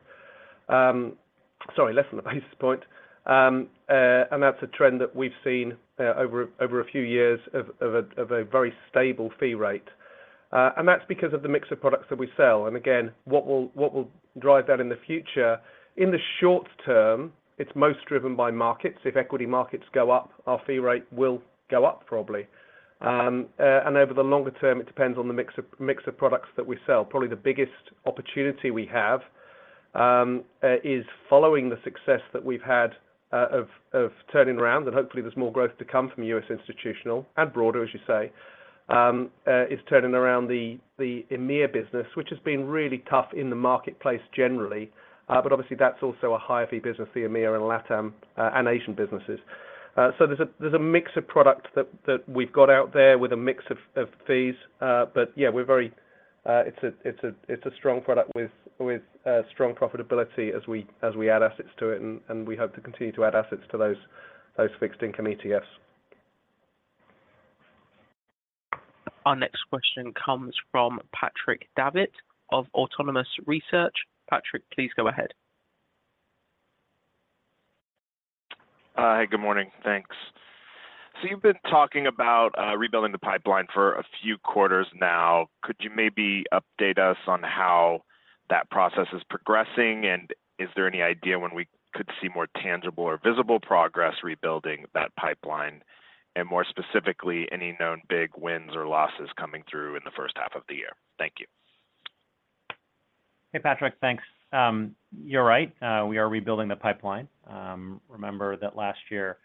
Sorry, less than a basis point. And that's a trend that we've seen over a few years of a very stable fee rate. And that's because of the mix of products that we sell. And again, what will drive that in the future, in the short term, it's most driven by markets. If equity markets go up, our fee rate will go up, probably. And over the longer term, it depends on the mix of products that we sell. Probably the biggest opportunity we have is following the success that we've had of turning around, and hopefully there's more growth to come from U.S. institutional and broader, as you say, is turning around the EMEA business, which has been really tough in the marketplace generally. But obviously, that's also a higher fee business, the EMEA and LATAM, and Asian businesses. So there's a mix of product that we've got out there with a mix of fees. But yeah, we're very, it's a strong product with strong profitability as we add assets to it, and we hope to continue to add assets to those fixed income ETFs. Our next question comes from Patrick Davitt of Autonomous Research. Patrick, please go ahead. Hi, good morning, thanks. So you've been talking about rebuilding the pipeline for a few quarters now. Could you maybe update us on how that process is progressing? And is there any idea when we could see more tangible or visible progress rebuilding that pipeline? And more specifically, any known big wins or losses coming through in the first half of the year? Thank you. Hey, Patrick, thanks. You're right, we are rebuilding the pipeline. Remember that last year,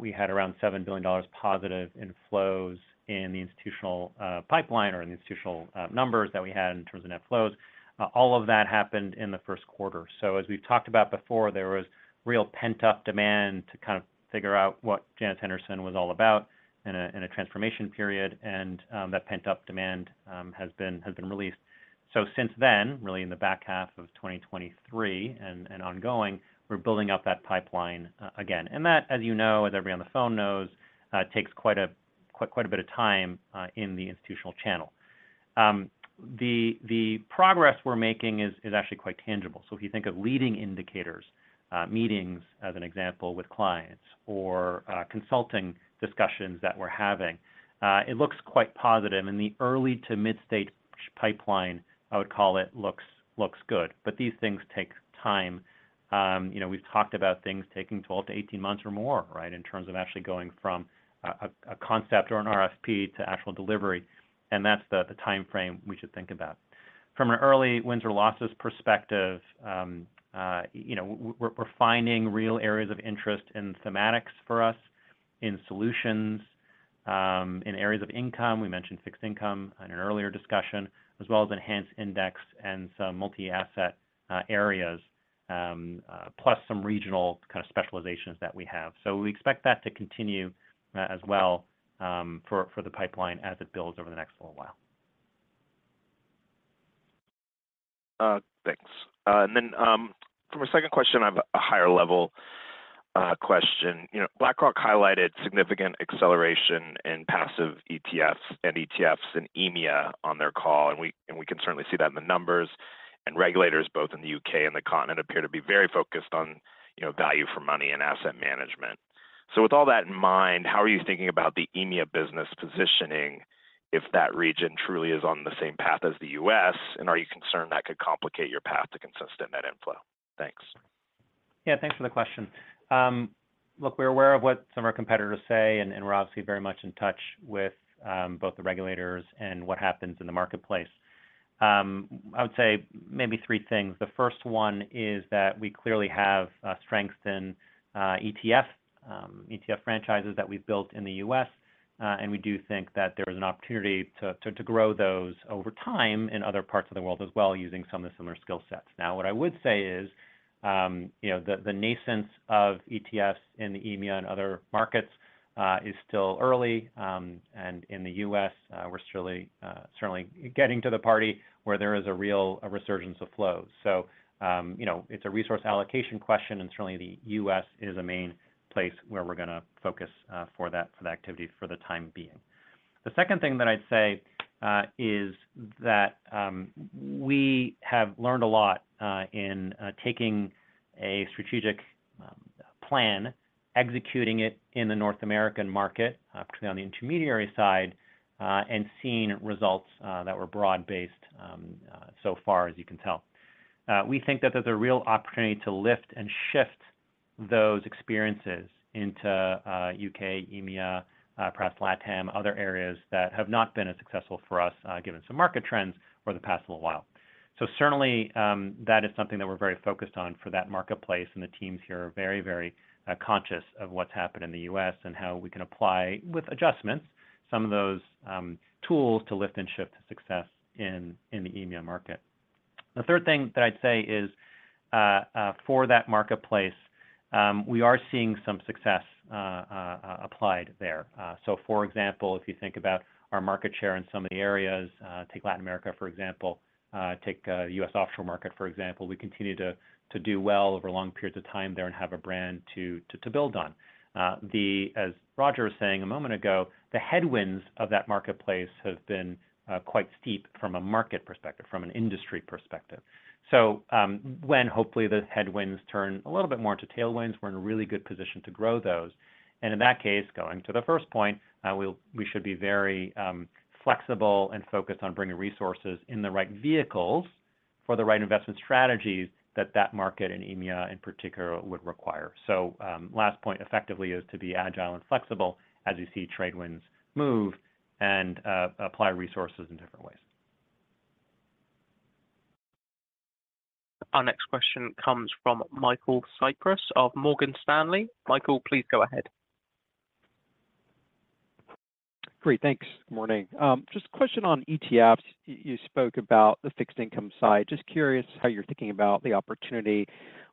we had around $7 billion positive inflows in the institutional pipeline or in the institutional numbers that we had in terms of net flows. All of that happened in the first quarter. So as we've talked about before, there was real pent-up demand to kind of figure out what Janus Henderson was all about in a transformation period, and that pent-up demand has been released. So since then, really in the back half of 2023 and ongoing, we're building up that pipeline again. And that, as you know, as everyone on the phone knows, takes quite a bit of time in the institutional channel. The progress we're making is actually quite tangible. So if you think of leading indicators, meetings, as an example, with clients or, consulting discussions that we're having, it looks quite positive. In the early to mid-stage pipeline, I would call it, looks good, but these things take time. You know, we've talked about things taking 12-18 months or more, right? In terms of actually going from a concept or an RFP to actual delivery, and that's the timeframe we should think about. From an early wins or losses perspective, you know, we're finding real areas of interest in thematics for us, in solutions, in areas of income. We mentioned fixed income in an earlier discussion, as well as enhanced index and some multi-asset areas, plus some regional kind of specializations that we have. We expect that to continue, as well, for the pipeline as it builds over the next little while. Thanks. And then, for my second question, I have a higher-level question. You know, BlackRock highlighted significant acceleration in passive ETFs and ETFs in EMEA on their call, and we can certainly see that in the numbers. And regulators, both in the U.K. and the continent, appear to be very focused on, you know, value for money and asset management. So with all that in mind, how are you thinking about the EMEA business positioning if that region truly is on the same path as the U.S.? And are you concerned that could complicate your path to consistent net inflow? Thanks. Yeah, thanks for the question. Look, we're aware of what some of our competitors say, and we're obviously very much in touch with both the regulators and what happens in the marketplace. I would say maybe three things. The first one is that we clearly have strengths in ETF franchises that we've built in the US, and we do think that there is an opportunity to grow those over time in other parts of the world as well, using some of the similar skill sets. Now, what I would say is, you know, the nascent of ETFs in the EMEA and other markets is still early, and in the US, we're certainly getting to the party where there is a real resurgence of flows. So, you know, it's a resource allocation question, and certainly the U.S. is a main place where we're gonna focus, for that, for that activity for the time being. The second thing that I'd say is that we have learned a lot in taking a strategic plan, executing it in the North American market, particularly on the intermediary side, and seeing results that were broad-based so far, as you can tell. We think that there's a real opportunity to lift and shift those experiences into U.K., EMEA, perhaps LATAM, other areas that have not been as successful for us, given some market trends over the past little while. So certainly, that is something that we're very focused on for that marketplace, and the teams here are very, very, conscious of what's happened in the US and how we can apply, with adjustments, some of those, tools to lift and shift success in the EMEA market. The third thing that I'd say is, for that marketplace, we are seeing some success applied there. So for example, if you think about our market share in some of the areas, take Latin America, for example, take US offshore market, for example, we continue to do well over long periods of time there and have a brand to build on. The... As Roger was saying a moment ago, the headwinds of that marketplace have been quite steep from a market perspective, from an industry perspective. So, when hopefully, the headwinds turn a little bit more into tailwinds, we're in a really good position to grow those. And in that case, going to the first point, we should be very flexible and focused on bringing resources in the right vehicles for the right investment strategies that that market in EMEA, in particular, would require. So, last point, effectively, is to be agile and flexible as you see tailwinds move and apply resources in different ways. Our next question comes from Michael Cyprys of Morgan Stanley. Michael, please go ahead. Great, thanks. Morning. Just a question on ETFs. You spoke about the fixed income side. Just curious how you're thinking about the opportunity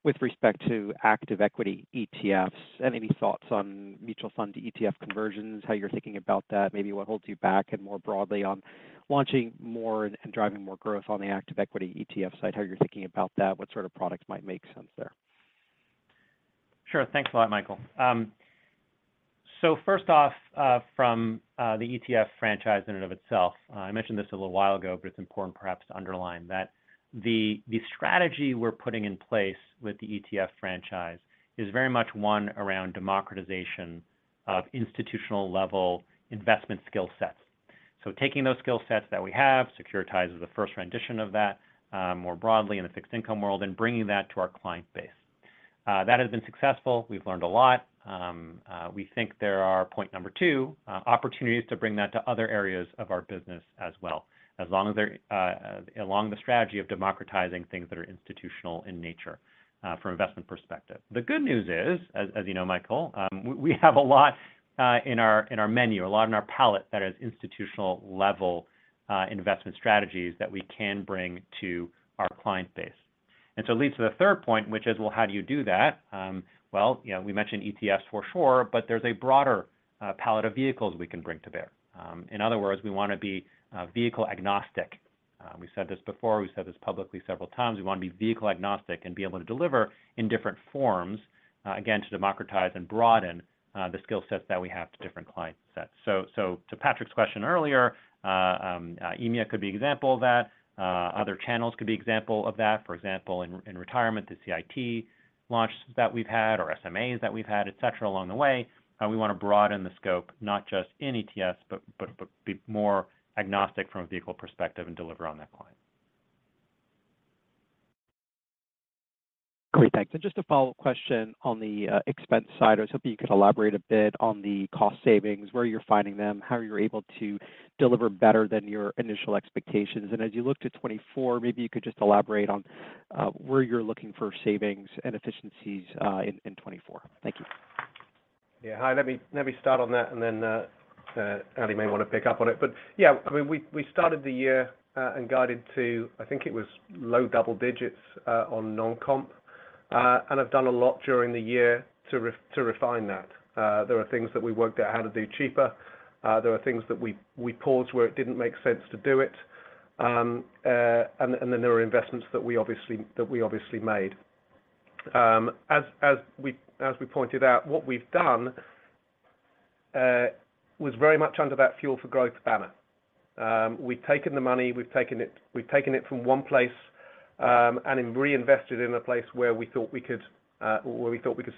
with respect to active equity ETFs, and any thoughts on mutual fund ETF conversions, how you're thinking about that, maybe what holds you back, and more broadly, on launching more and driving more growth on the active equity ETF side, how you're thinking about that? What sort of products might make sense there? Sure. Thanks a lot, Michael. So first off, from the ETF franchise in and of itself, I mentioned this a little while ago, but it's important perhaps to underline that the strategy we're putting in place with the ETF franchise is very much one around democratization of institutional-level investment skill sets. So taking those skill sets that we have, securitized is the first rendition of that, more broadly in the fixed income world, and bringing that to our client base. That has been successful. We've learned a lot. We think there are point number two opportunities to bring that to other areas of our business as well, as long as they're along the strategy of democratizing things that are institutional in nature from investment perspective. The good news is, as you know, Michael, we have a lot in our menu, a lot in our palette that is institutional-level investment strategies that we can bring to our client base. And so it leads to the third point, which is, well, how do you do that? Well, you know, we mentioned ETFs for sure, but there's a broader palette of vehicles we can bring to bear. In other words, we want to be vehicle agnostic. We've said this before, we've said this publicly several times. We want to be vehicle agnostic and be able to deliver in different forms, again, to democratize and broaden the skill sets that we have to different client sets. So, to Patrick's question earlier, EMEA could be example of that, other channels could be example of that. For example, in retirement, the CIT launch that we've had or SMAs that we've had, et cetera, along the way, we want to broaden the scope, not just in ETFs, but be more agnostic from a vehicle perspective and deliver on that client. Great, thanks. And just a follow-up question on the expense side. I was hoping you could elaborate a bit on the cost savings, where you're finding them, how you're able to deliver better than your initial expectations. And as you look to 2024, maybe you could just elaborate on where you're looking for savings and efficiencies in 2024. Thank you. Yeah. Hi, let me start on that, and then Andy may want to pick up on it. But yeah, I mean, we started the year and guided to, I think it was low double digits, on non-comp, and I've done a lot during the year to refine that. There are things that we worked out how to do cheaper. There are things that we paused where it didn't make sense to do it.... and then there are investments that we obviously made. As we pointed out, what we've done was very much under that Fuel for Growth banner. We've taken the money from one place and then reinvested it in a place where we thought we could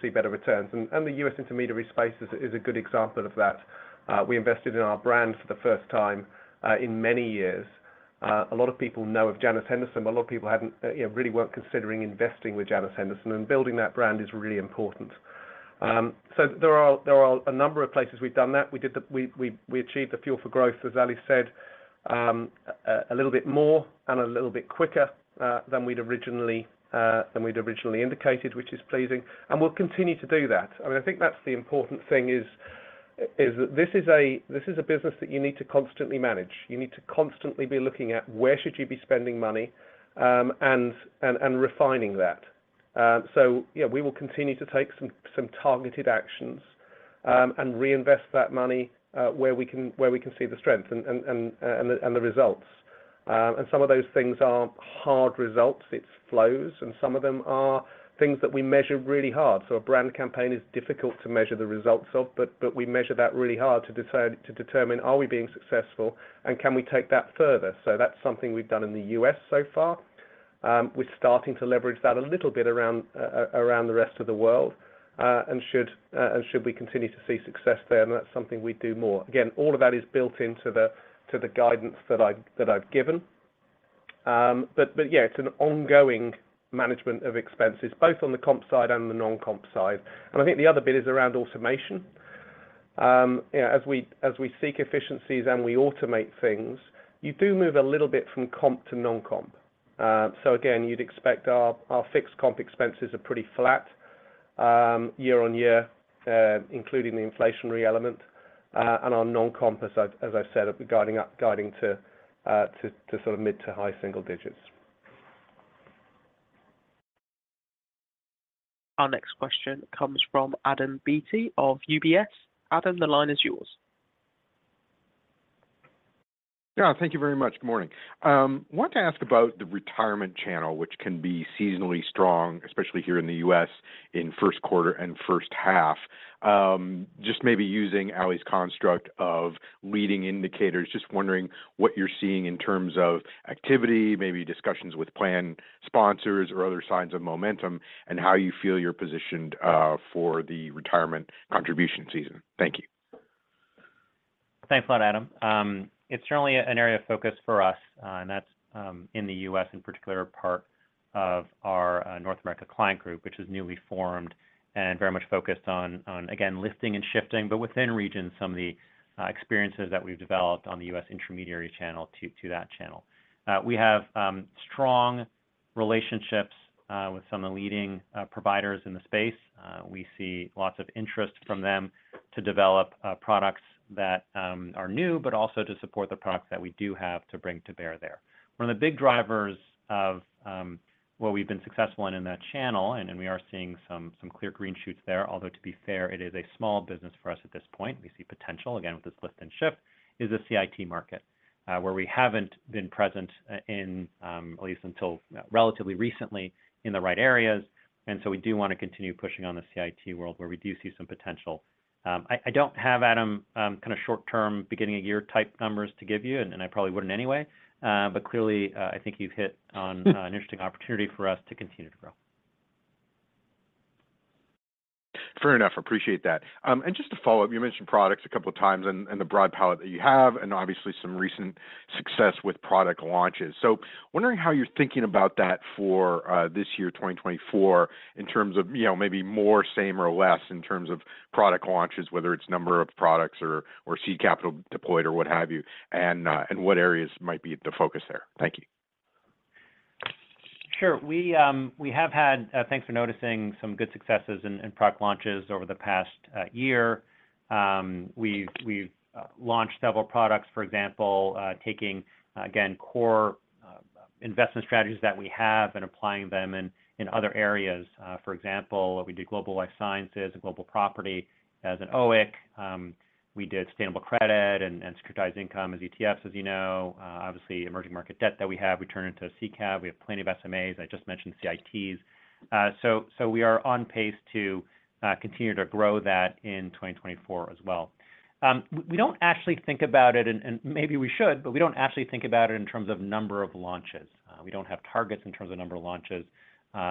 see better returns. And the US intermediary space is a good example of that. We invested in our brand for the first time in many years. A lot of people know of Janus Henderson, but a lot of people hadn't—you know, really weren't considering investing with Janus Henderson, and building that brand is really important. So there are a number of places we've done that. We did the... We achieved the Fuel for Growth, as Ali said, a little bit more and a little bit quicker than we'd originally indicated, which is pleasing, and we'll continue to do that. I mean, I think that's the important thing is that this is a business that you need to constantly manage. You need to constantly be looking at where should you be spending money, and refining that. So yeah, we will continue to take some targeted actions, and reinvest that money, where we can, where we can see the strength and the results. And some of those things are hard results. It's flows, and some of them are things that we measure really hard. So a brand campaign is difficult to measure the results of, but we measure that really hard to decide, to determine, are we being successful, and can we take that further? So that's something we've done in the U.S. so far. We're starting to leverage that a little bit around the rest of the world, and should we continue to see success there, and that's something we'd do more. Again, all of that is built into the guidance that I've given. But yeah, it's an ongoing management of expenses, both on the comp side and the non-comp side. And I think the other bit is around automation. You know, as we seek efficiencies and we automate things, you do move a little bit from comp to non-comp. So again, you'd expect our fixed comp expenses are pretty flat year-over-year, including the inflationary element, and our non-comp, as I said, are guiding up to sort of mid to high single digits. Our next question comes from Adam Beatty of UBS. Adam, the line is yours. Yeah, thank you very much. Good morning. I want to ask about the retirement channel, which can be seasonally strong, especially here in the U.S., in first quarter and first half. Just maybe using Ali's construct of leading indicators, just wondering what you're seeing in terms of activity, maybe discussions with plan sponsors or other signs of momentum, and how you feel you're positioned for the retirement contribution season. Thank you. Thanks a lot, Adam. It's certainly an area of focus for us, and that's, in the U.S. in particular, part of our, North America Client Group, which is newly formed and very much focused on, again, lifting and shifting, but within region, some of the, experiences that we've developed on the U.S. intermediary channel to that channel. We have, strong relationships, with some of the leading, providers in the space. We see lots of interest from them to develop, products that, are new, but also to support the products that we do have to bring to bear there. One of the big drivers of what we've been successful in in that channel, and we are seeing some clear green shoots there, although, to be fair, it is a small business for us at this point, we see potential, again, with this lift and shift, is the CIT market, where we haven't been present in at least until relatively recently in the right areas. And so we do want to continue pushing on the CIT world, where we do see some potential. I don't have, Adam, kind of short-term, beginning of year type numbers to give you, and I probably wouldn't anyway. But clearly, I think you've hit on an interesting opportunity for us to continue to grow. Fair enough. Appreciate that. Just to follow up, you mentioned products a couple of times and the broad palette that you have, and obviously some recent success with product launches. Wondering how you're thinking about that for this year, 2024, in terms of, you know, maybe more, same, or less in terms of product launches, whether it's number of products or seed capital deployed or what have you, and what areas might be the focus there. Thank you. Sure. We have had, thanks for noticing, some good successes in product launches over the past year. We've launched several products, for example, taking, again, core investment strategies that we have and applying them in other areas. For example, we did Global Life Sciences and Global Properties as an OEIC. We did Sustainable Credit and Securitized Income as ETFs, as you know. Obviously, emerging market debt that we have, we turn into a SICAV. We have plenty of SMAs. I just mentioned CITs. So we are on pace to continue to grow that in 2024 as well. We don't actually think about it, and maybe we should, but we don't actually think about it in terms of number of launches. We don't have targets in terms of number of launches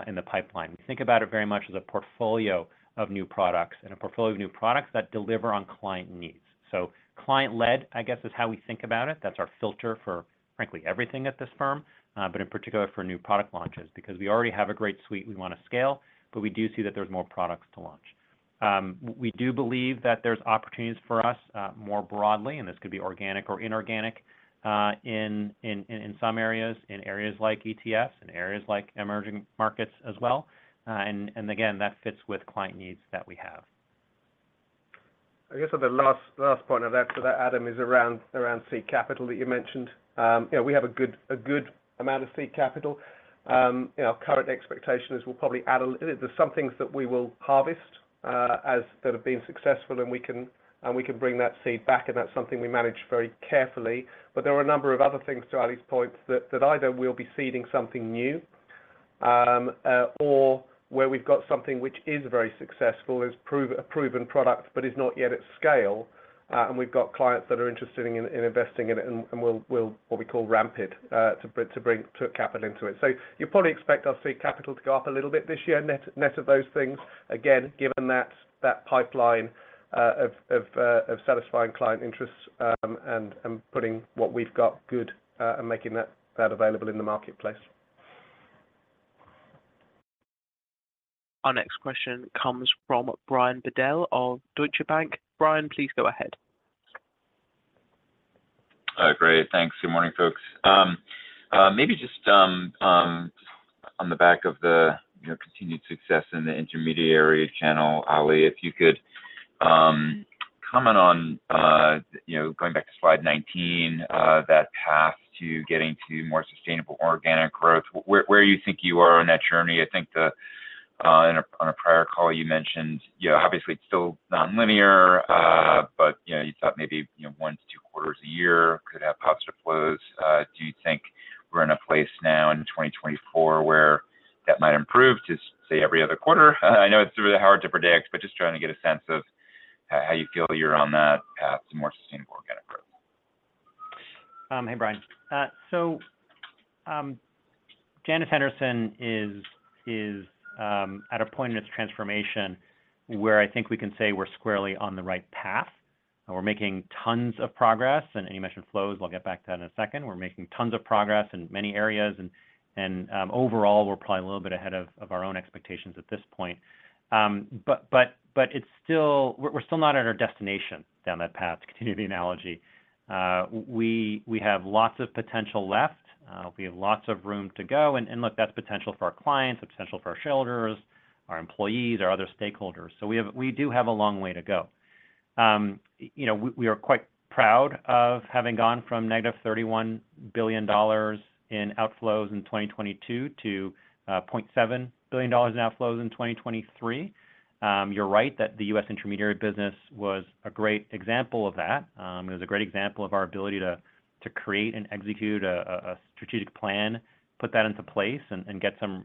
in the pipeline. We think about it very much as a portfolio of new products, and a portfolio of new products that deliver on client needs. So client-led, I guess, is how we think about it. That's our filter for, frankly, everything at this firm, but in particular for new product launches, because we already have a great suite we want to scale, but we do see that there's more products to launch. We do believe that there's opportunities for us, more broadly, and this could be organic or inorganic in some areas, in areas like ETFs and areas like emerging markets as well. And again, that fits with client needs that we have. I guess for the last point of that, Adam, is around seed capital that you mentioned. You know, we have a good amount of seed capital. You know, our current expectation is we'll probably add a little. There's some things that we will harvest as that have been successful, and we can bring that seed back, and that's something we manage very carefully. But there are a number of other things, to Ali's point, that either we'll be seeding something new or where we've got something which is very successful, is a proven product, but is not yet at scale, and we've got clients that are interested in investing in it, and we'll what we call ramp it to bring capital into it. So you probably expect to see capital to go up a little bit this year, net of those things. Again, given that pipeline of satisfying client interests, and putting what we've got good, and making that available in the marketplace. Our next question comes from Brian Bedell of Deutsche Bank. Brian, please go ahead. Great. Thanks. Good morning, folks. Maybe just on the back of the, you know, continued success in the intermediary channel, Ali, if you could comment on, you know, going back to slide 19, that path to getting to more sustainable organic growth. Where you think you are on that journey? I think the on a prior call you mentioned, you know, obviously it's still non-linear, but, you know, you thought maybe, you know, one to two quarters a year could have pops or flows. Do you think we're in a place now in 2024 where that might improve, to say, every other quarter? I know it's really hard to predict, but just trying to get a sense of how you feel you're on that path to more sustainable organic growth. Hey, Brian. So, Janus Henderson is at a point in its transformation where I think we can say we're squarely on the right path, and we're making tons of progress. And you mentioned flows, I'll get back to that in a second. We're making tons of progress in many areas, and overall, we're probably a little bit ahead of our own expectations at this point. But it's still-- we're still not at our destination down that path, to continue the analogy. We have lots of potential left. We have lots of room to go, and look, that's potential for our clients, potential for our shareholders, our employees, our other stakeholders. So we do have a long way to go. You know, we are quite proud of having gone from negative $31 billion in outflows in 2022 to $0.7 billion in outflows in 2023. You're right that the U.S. intermediary business was a great example of that. It was a great example of our ability to create and execute a strategic plan, put that into place, and get some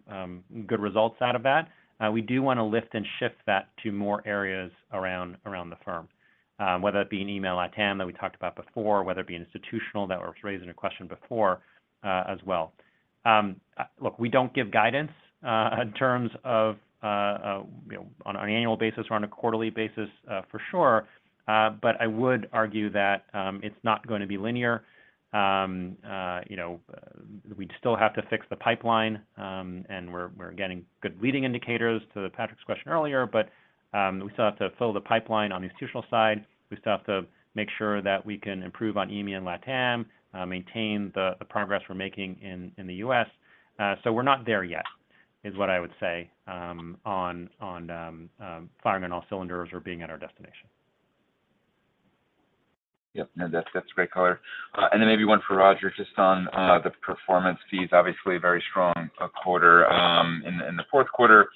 good results out of that. We do want to lift and shift that to more areas around the firm, whether that be EMEA, LATAM, that we talked about before, whether it be institutional, that was raised in a question before, as well. Look, we don't give guidance in terms of you know, on an annual basis or on a quarterly basis, for sure, but I would argue that it's not going to be linear. You know, we still have to fix the pipeline, and we're getting good leading indicators to Patrick's question earlier, but we still have to fill the pipeline on the institutional side. We still have to make sure that we can improve on EMEA and LATAM, maintain the progress we're making in the US. So we're not there yet, is what I would say, on firing on all cylinders or being at our destination. Yep. No, that's, that's a great color. And then maybe one for Roger, just on the performance fees. Obviously, a very strong quarter in the fourth quarter.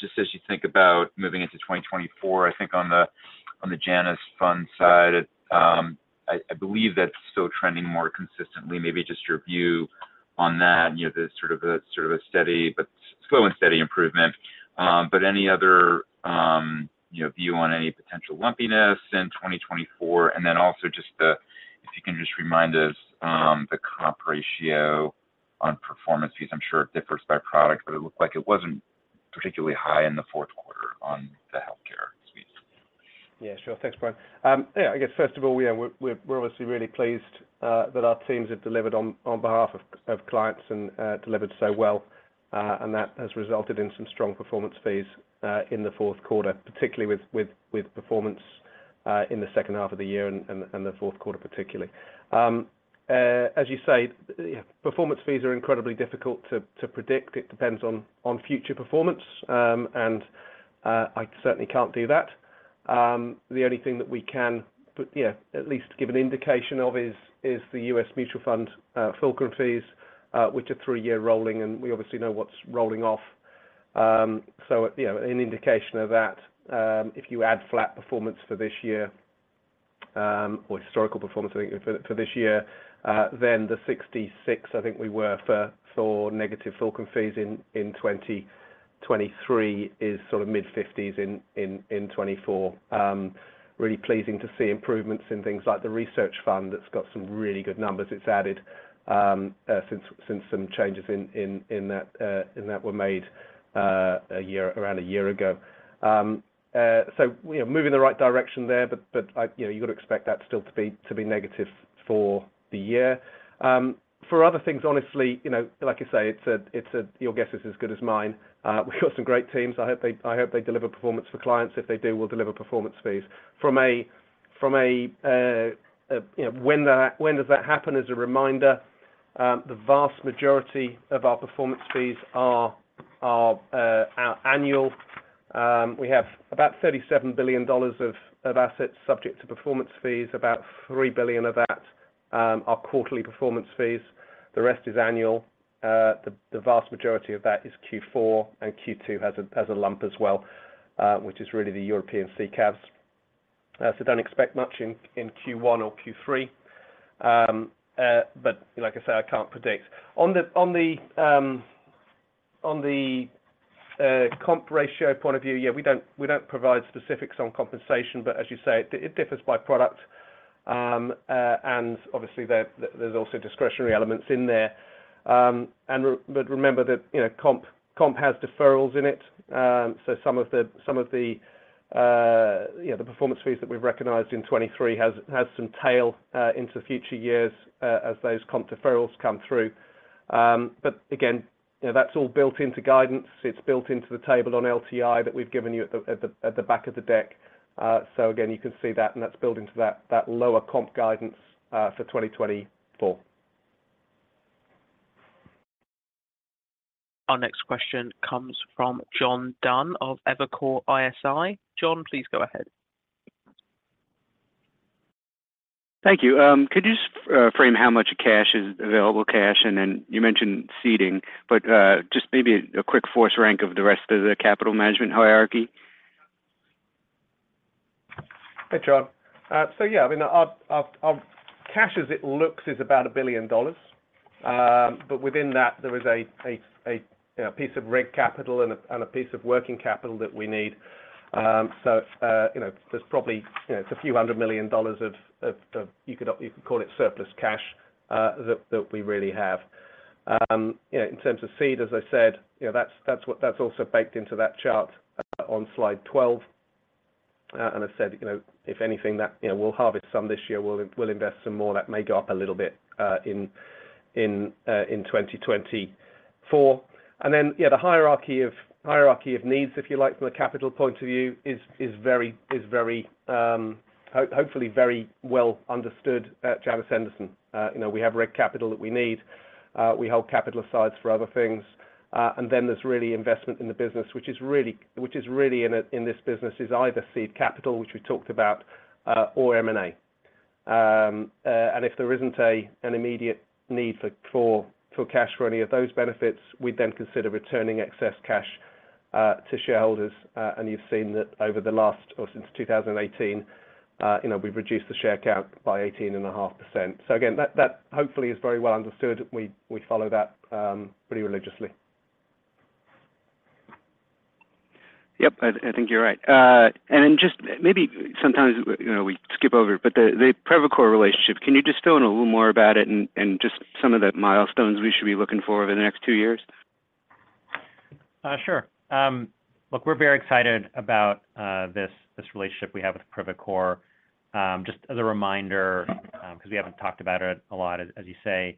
Just as you think about moving into 2024, I think on the Janus fund side, I believe that's still trending more consistently. Maybe just your view on that, you know, the sort of a steady, but slow and steady improvement. But any other, you know, view on any potential lumpiness in 2024? And then also just the—if you can just remind us, the comp ratio on performance fees. I'm sure it differs by product, but it looked like it wasn't particularly high in the fourth quarter on the healthcare suite. Yeah, sure. Thanks, Brian. Yeah, I guess first of all, we're obviously really pleased that our teams have delivered on behalf of clients and delivered so well, and that has resulted in some strong performance fees in the fourth quarter, particularly with performance in the second half of the year and the fourth quarter, particularly. As you say, yeah, performance fees are incredibly difficult to predict. It depends on future performance, and I certainly can't do that. The only thing that we can put, yeah, at least give an indication of is the U.S. Mutual Fund full grant fees, which are three-year rolling, and we obviously know what's rolling off. So, you know, an indication of that, if you add flat performance for this year, or historical performance I think for this year, then the 66, I think we were forecast negative performance fees in 2023, is sort of mid-50s in 2024. Really pleasing to see improvements in things like the research fund, that's got some really good numbers. It's added since some changes in that were made around a year ago. So, you know, moving in the right direction there, but I... You know, you've got to expect that still to be negative for the year. For other things, honestly, you know, like you say, it's a - your guess is as good as mine. We've got some great teams. I hope they deliver performance for clients. If they do, we'll deliver performance fees. From a, you know, when does that happen? As a reminder, the vast majority of our performance fees are annual. We have about $37 billion of assets subject to performance fees, about $3 billion of that are quarterly performance fees. The rest is annual. The vast majority of that is Q4, and Q2 has a lump as well, which is really the European SICAVs. So don't expect much in Q1 or Q3. But like I said, I can't predict. On the comp ratio point of view, yeah, we don't, we don't provide specifics on compensation, but as you say, it, it differs by product. And obviously there, there's also discretionary elements in there. But remember that, you know, comp, comp has deferrals in it. So some of the, you know, the performance fees that we've recognized in 2023 has some tail into future years as those comp deferrals come through. But again, you know, that's all built into guidance. It's built into the table on LTI that we've given you at the back of the deck. So again, you can see that, and that's built into that lower comp guidance for 2024. Our next question comes from John Dunn of Evercore ISI. John, please go ahead. Thank you. Could you just frame how much cash is available cash? And then you mentioned seeding, but just maybe a quick force rank of the rest of the capital management hierarchy. Hey, John. So yeah, I mean, our cash as it looks is about $1 billion. But within that, there is a piece of reg capital and a piece of working capital that we need. So, you know, there's probably, you know, it's a few hundred million dollars of you could call it surplus cash that we really have. You know, in terms of seed, as I said, you know, that's what - that's also baked into that chart on slide 12. And I said, you know, if anything, that, you know, we'll harvest some this year, we'll invest some more. That may go up a little bit in 2024. And then, yeah, the hierarchy of needs, if you like, from a capital point of view, is very hopefully very well understood at Janus Henderson. You know, we have reg capital that we need. We hold capital aside for other things. And then there's really investment in the business, which in this business is either seed capital, which we talked about, or M&A. And if there isn't an immediate need for cash for any of those benefits, we'd then consider returning excess cash to shareholders. And you've seen that over the last or since 2018, you know, we've reduced the share count by 18.5%. So again, that hopefully is very well understood. We follow that pretty religiously. Yep, I think you're right. And just maybe sometimes, you know, we skip over, but the Privacore's relationship, can you just fill in a little more about it and just some of the milestones we should be looking for over the next two years? Sure. Look, we're very excited about this relationship we have with Privacore. Just as a reminder, because we haven't talked about it a lot, as you say,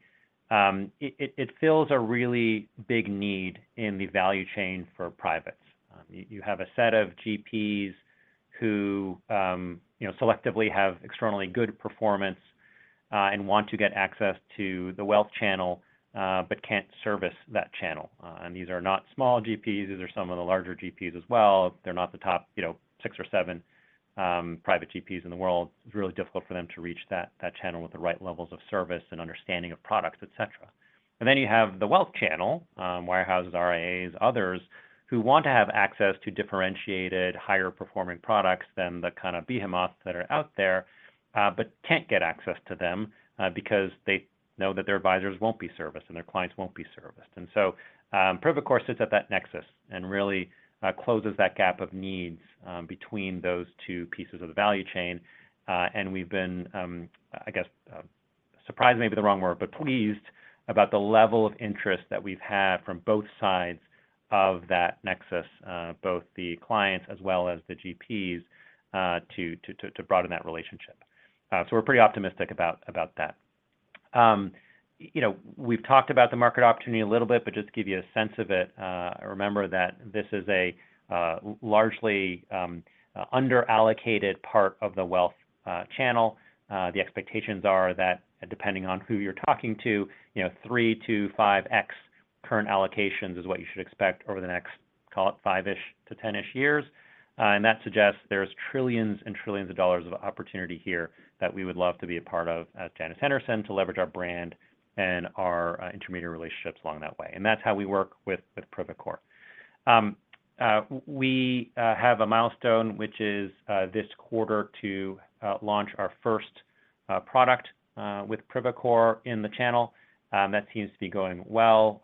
it fills a really big need in the value chain for privates. You have a set of GPs who, you know, selectively have externally good performance and want to get access to the wealth channel but can't service that channel. And these are not small GPs. These are some of the larger GPs as well. They're not the top, you know, six or seven private GPs in the world. It's really difficult for them to reach that channel with the right levels of service and understanding of products, et cetera. And then you have the wealth channel, wirehouses, RIAs, others, who want to have access to differentiated, higher performing products than the kind of behemoths that are out there, but can't get access to them, because they know that their advisors won't be serviced and their clients won't be serviced. And so, Privacore sits at that nexus and really, closes that gap of needs, between those two pieces of the value chain. And we've been, I guess, surprised may be the wrong word, but pleased about the level of interest that we've had from both sides of that nexus, both the clients as well as the GPs, to broaden that relationship. So we're pretty optimistic about that. You know, we've talked about the market opportunity a little bit, but just to give you a sense of it, remember that this is a largely underallocated part of the wealth channel. The expectations are that depending on who you're talking to, you know, three to fives times current allocations is what you should expect over the next, call it, fiveish to 10-ish years. And that suggests there's trillions and trillions of opportunity here that we would love to be a part of at Janus Henderson, to leverage our brand and our intermediary relationships along that way, and that's how we work with Privacore. We have a milestone, which is this quarter, to launch our first product with Privacore in the channel. That seems to be going well.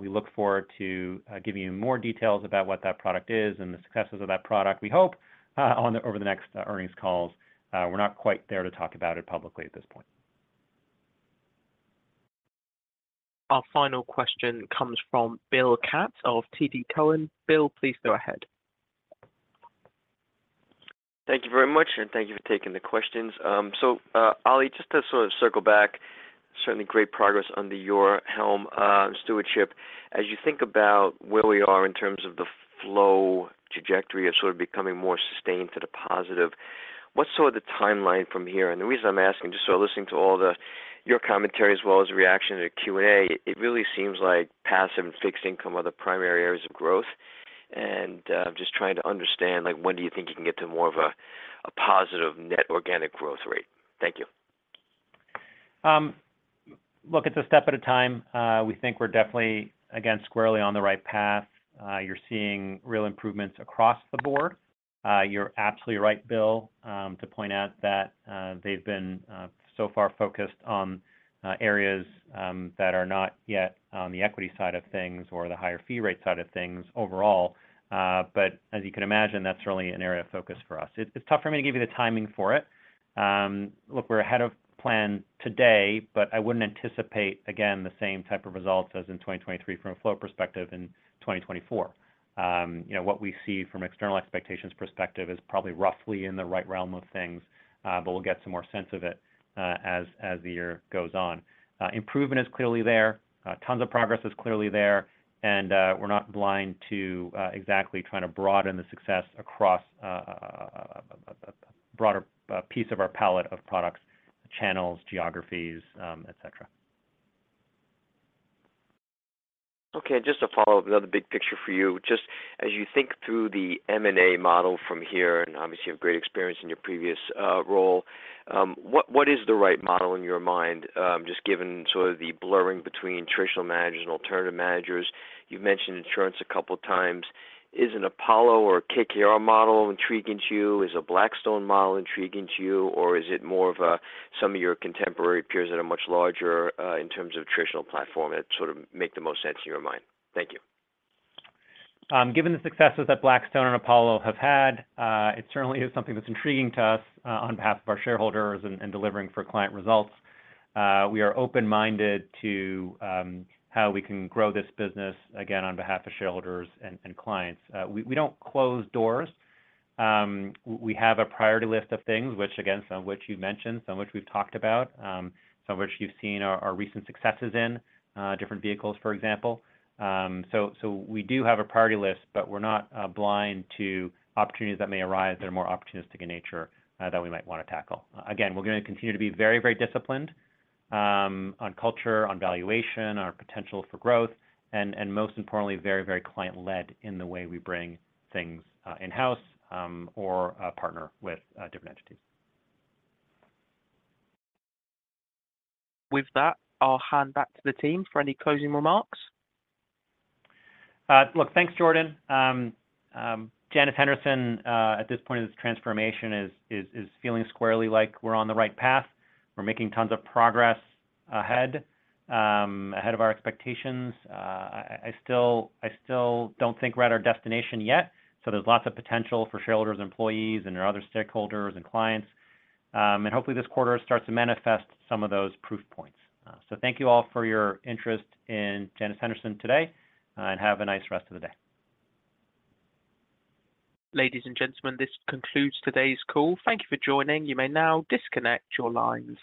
We look forward to giving you more details about what that product is and the successes of that product, we hope, over the next earnings calls. We're not quite there to talk about it publicly at this point. Our final question comes from Bill Katz of TD Cowen. Bill, please go ahead. Thank you very much, and thank you for taking the questions. So, Ollie, just to sort of circle back, certainly great progress under your helm, stewardship. As you think about where we are in terms of the flow trajectory of sort of becoming more sustained to the positive, what's sort of the timeline from here? And the reason I'm asking, just sort of listening to all the... your commentary as well as reaction to the Q&A, it really seems like passive and fixed income are the primary areas of growth. And, I'm just trying to understand, like, when do you think you can get to more of a, a positive net organic growth rate? Thank you.... Look, it's a step at a time. We think we're definitely, again, squarely on the right path. You're seeing real improvements across the board. You're absolutely right, Bill, to point out that, they've been, so far focused on, areas, that are not yet on the equity side of things or the higher fee rate side of things overall. But as you can imagine, that's really an area of focus for us. It, it's tough for me to give you the timing for it. Look, we're ahead of plan today, but I wouldn't anticipate, again, the same type of results as in 2023 from a flow perspective in 2024. You know, what we see from external expectations perspective is probably roughly in the right realm of things, but we'll get some more sense of it as the year goes on. Improvement is clearly there, tons of progress is clearly there, and we're not blind to exactly trying to broaden the success across a broader piece of our palette of products, channels, geographies, et cetera. Okay. Just to follow up, another big picture for you. Just as you think through the M&A model from here, and obviously, you have great experience in your previous role, what is the right model in your mind? Just given sort of the blurring between traditional managers and alternative managers. You've mentioned insurance a couple of times. Is an Apollo or a KKR model intriguing to you? Is a Blackstone model intriguing to you, or is it more of a some of your contemporary peers that are much larger in terms of traditional platform that sort of make the most sense in your mind? Thank you. Given the successes that Blackstone and Apollo have had, it certainly is something that's intriguing to us, on behalf of our shareholders and delivering for client results. We are open-minded to how we can grow this business, again, on behalf of shareholders and clients. We don't close doors. We have a priority list of things which again, some of which you've mentioned, some of which we've talked about, some of which you've seen our recent successes in, different vehicles, for example. So we do have a priority list, but we're not blind to opportunities that may arise that are more opportunistic in nature, that we might want to tackle. Again, we're gonna continue to be very, very disciplined on culture, on valuation, on our potential for growth, and, and most importantly, very, very client-led in the way we bring things in-house or partner with different entities. With that, I'll hand back to the team for any closing remarks. Look, thanks, Jordan. Janus Henderson, at this point in this transformation is feeling squarely like we're on the right path. We're making tons of progress ahead of our expectations. I still don't think we're at our destination yet, so there's lots of potential for shareholders, employees, and our other stakeholders and clients. And hopefully, this quarter starts to manifest some of those proof points. So thank you all for your interest in Janus Henderson today, and have a nice rest of the day. Ladies and gentlemen, this concludes today's call. Thank you for joining. You may now disconnect your lines.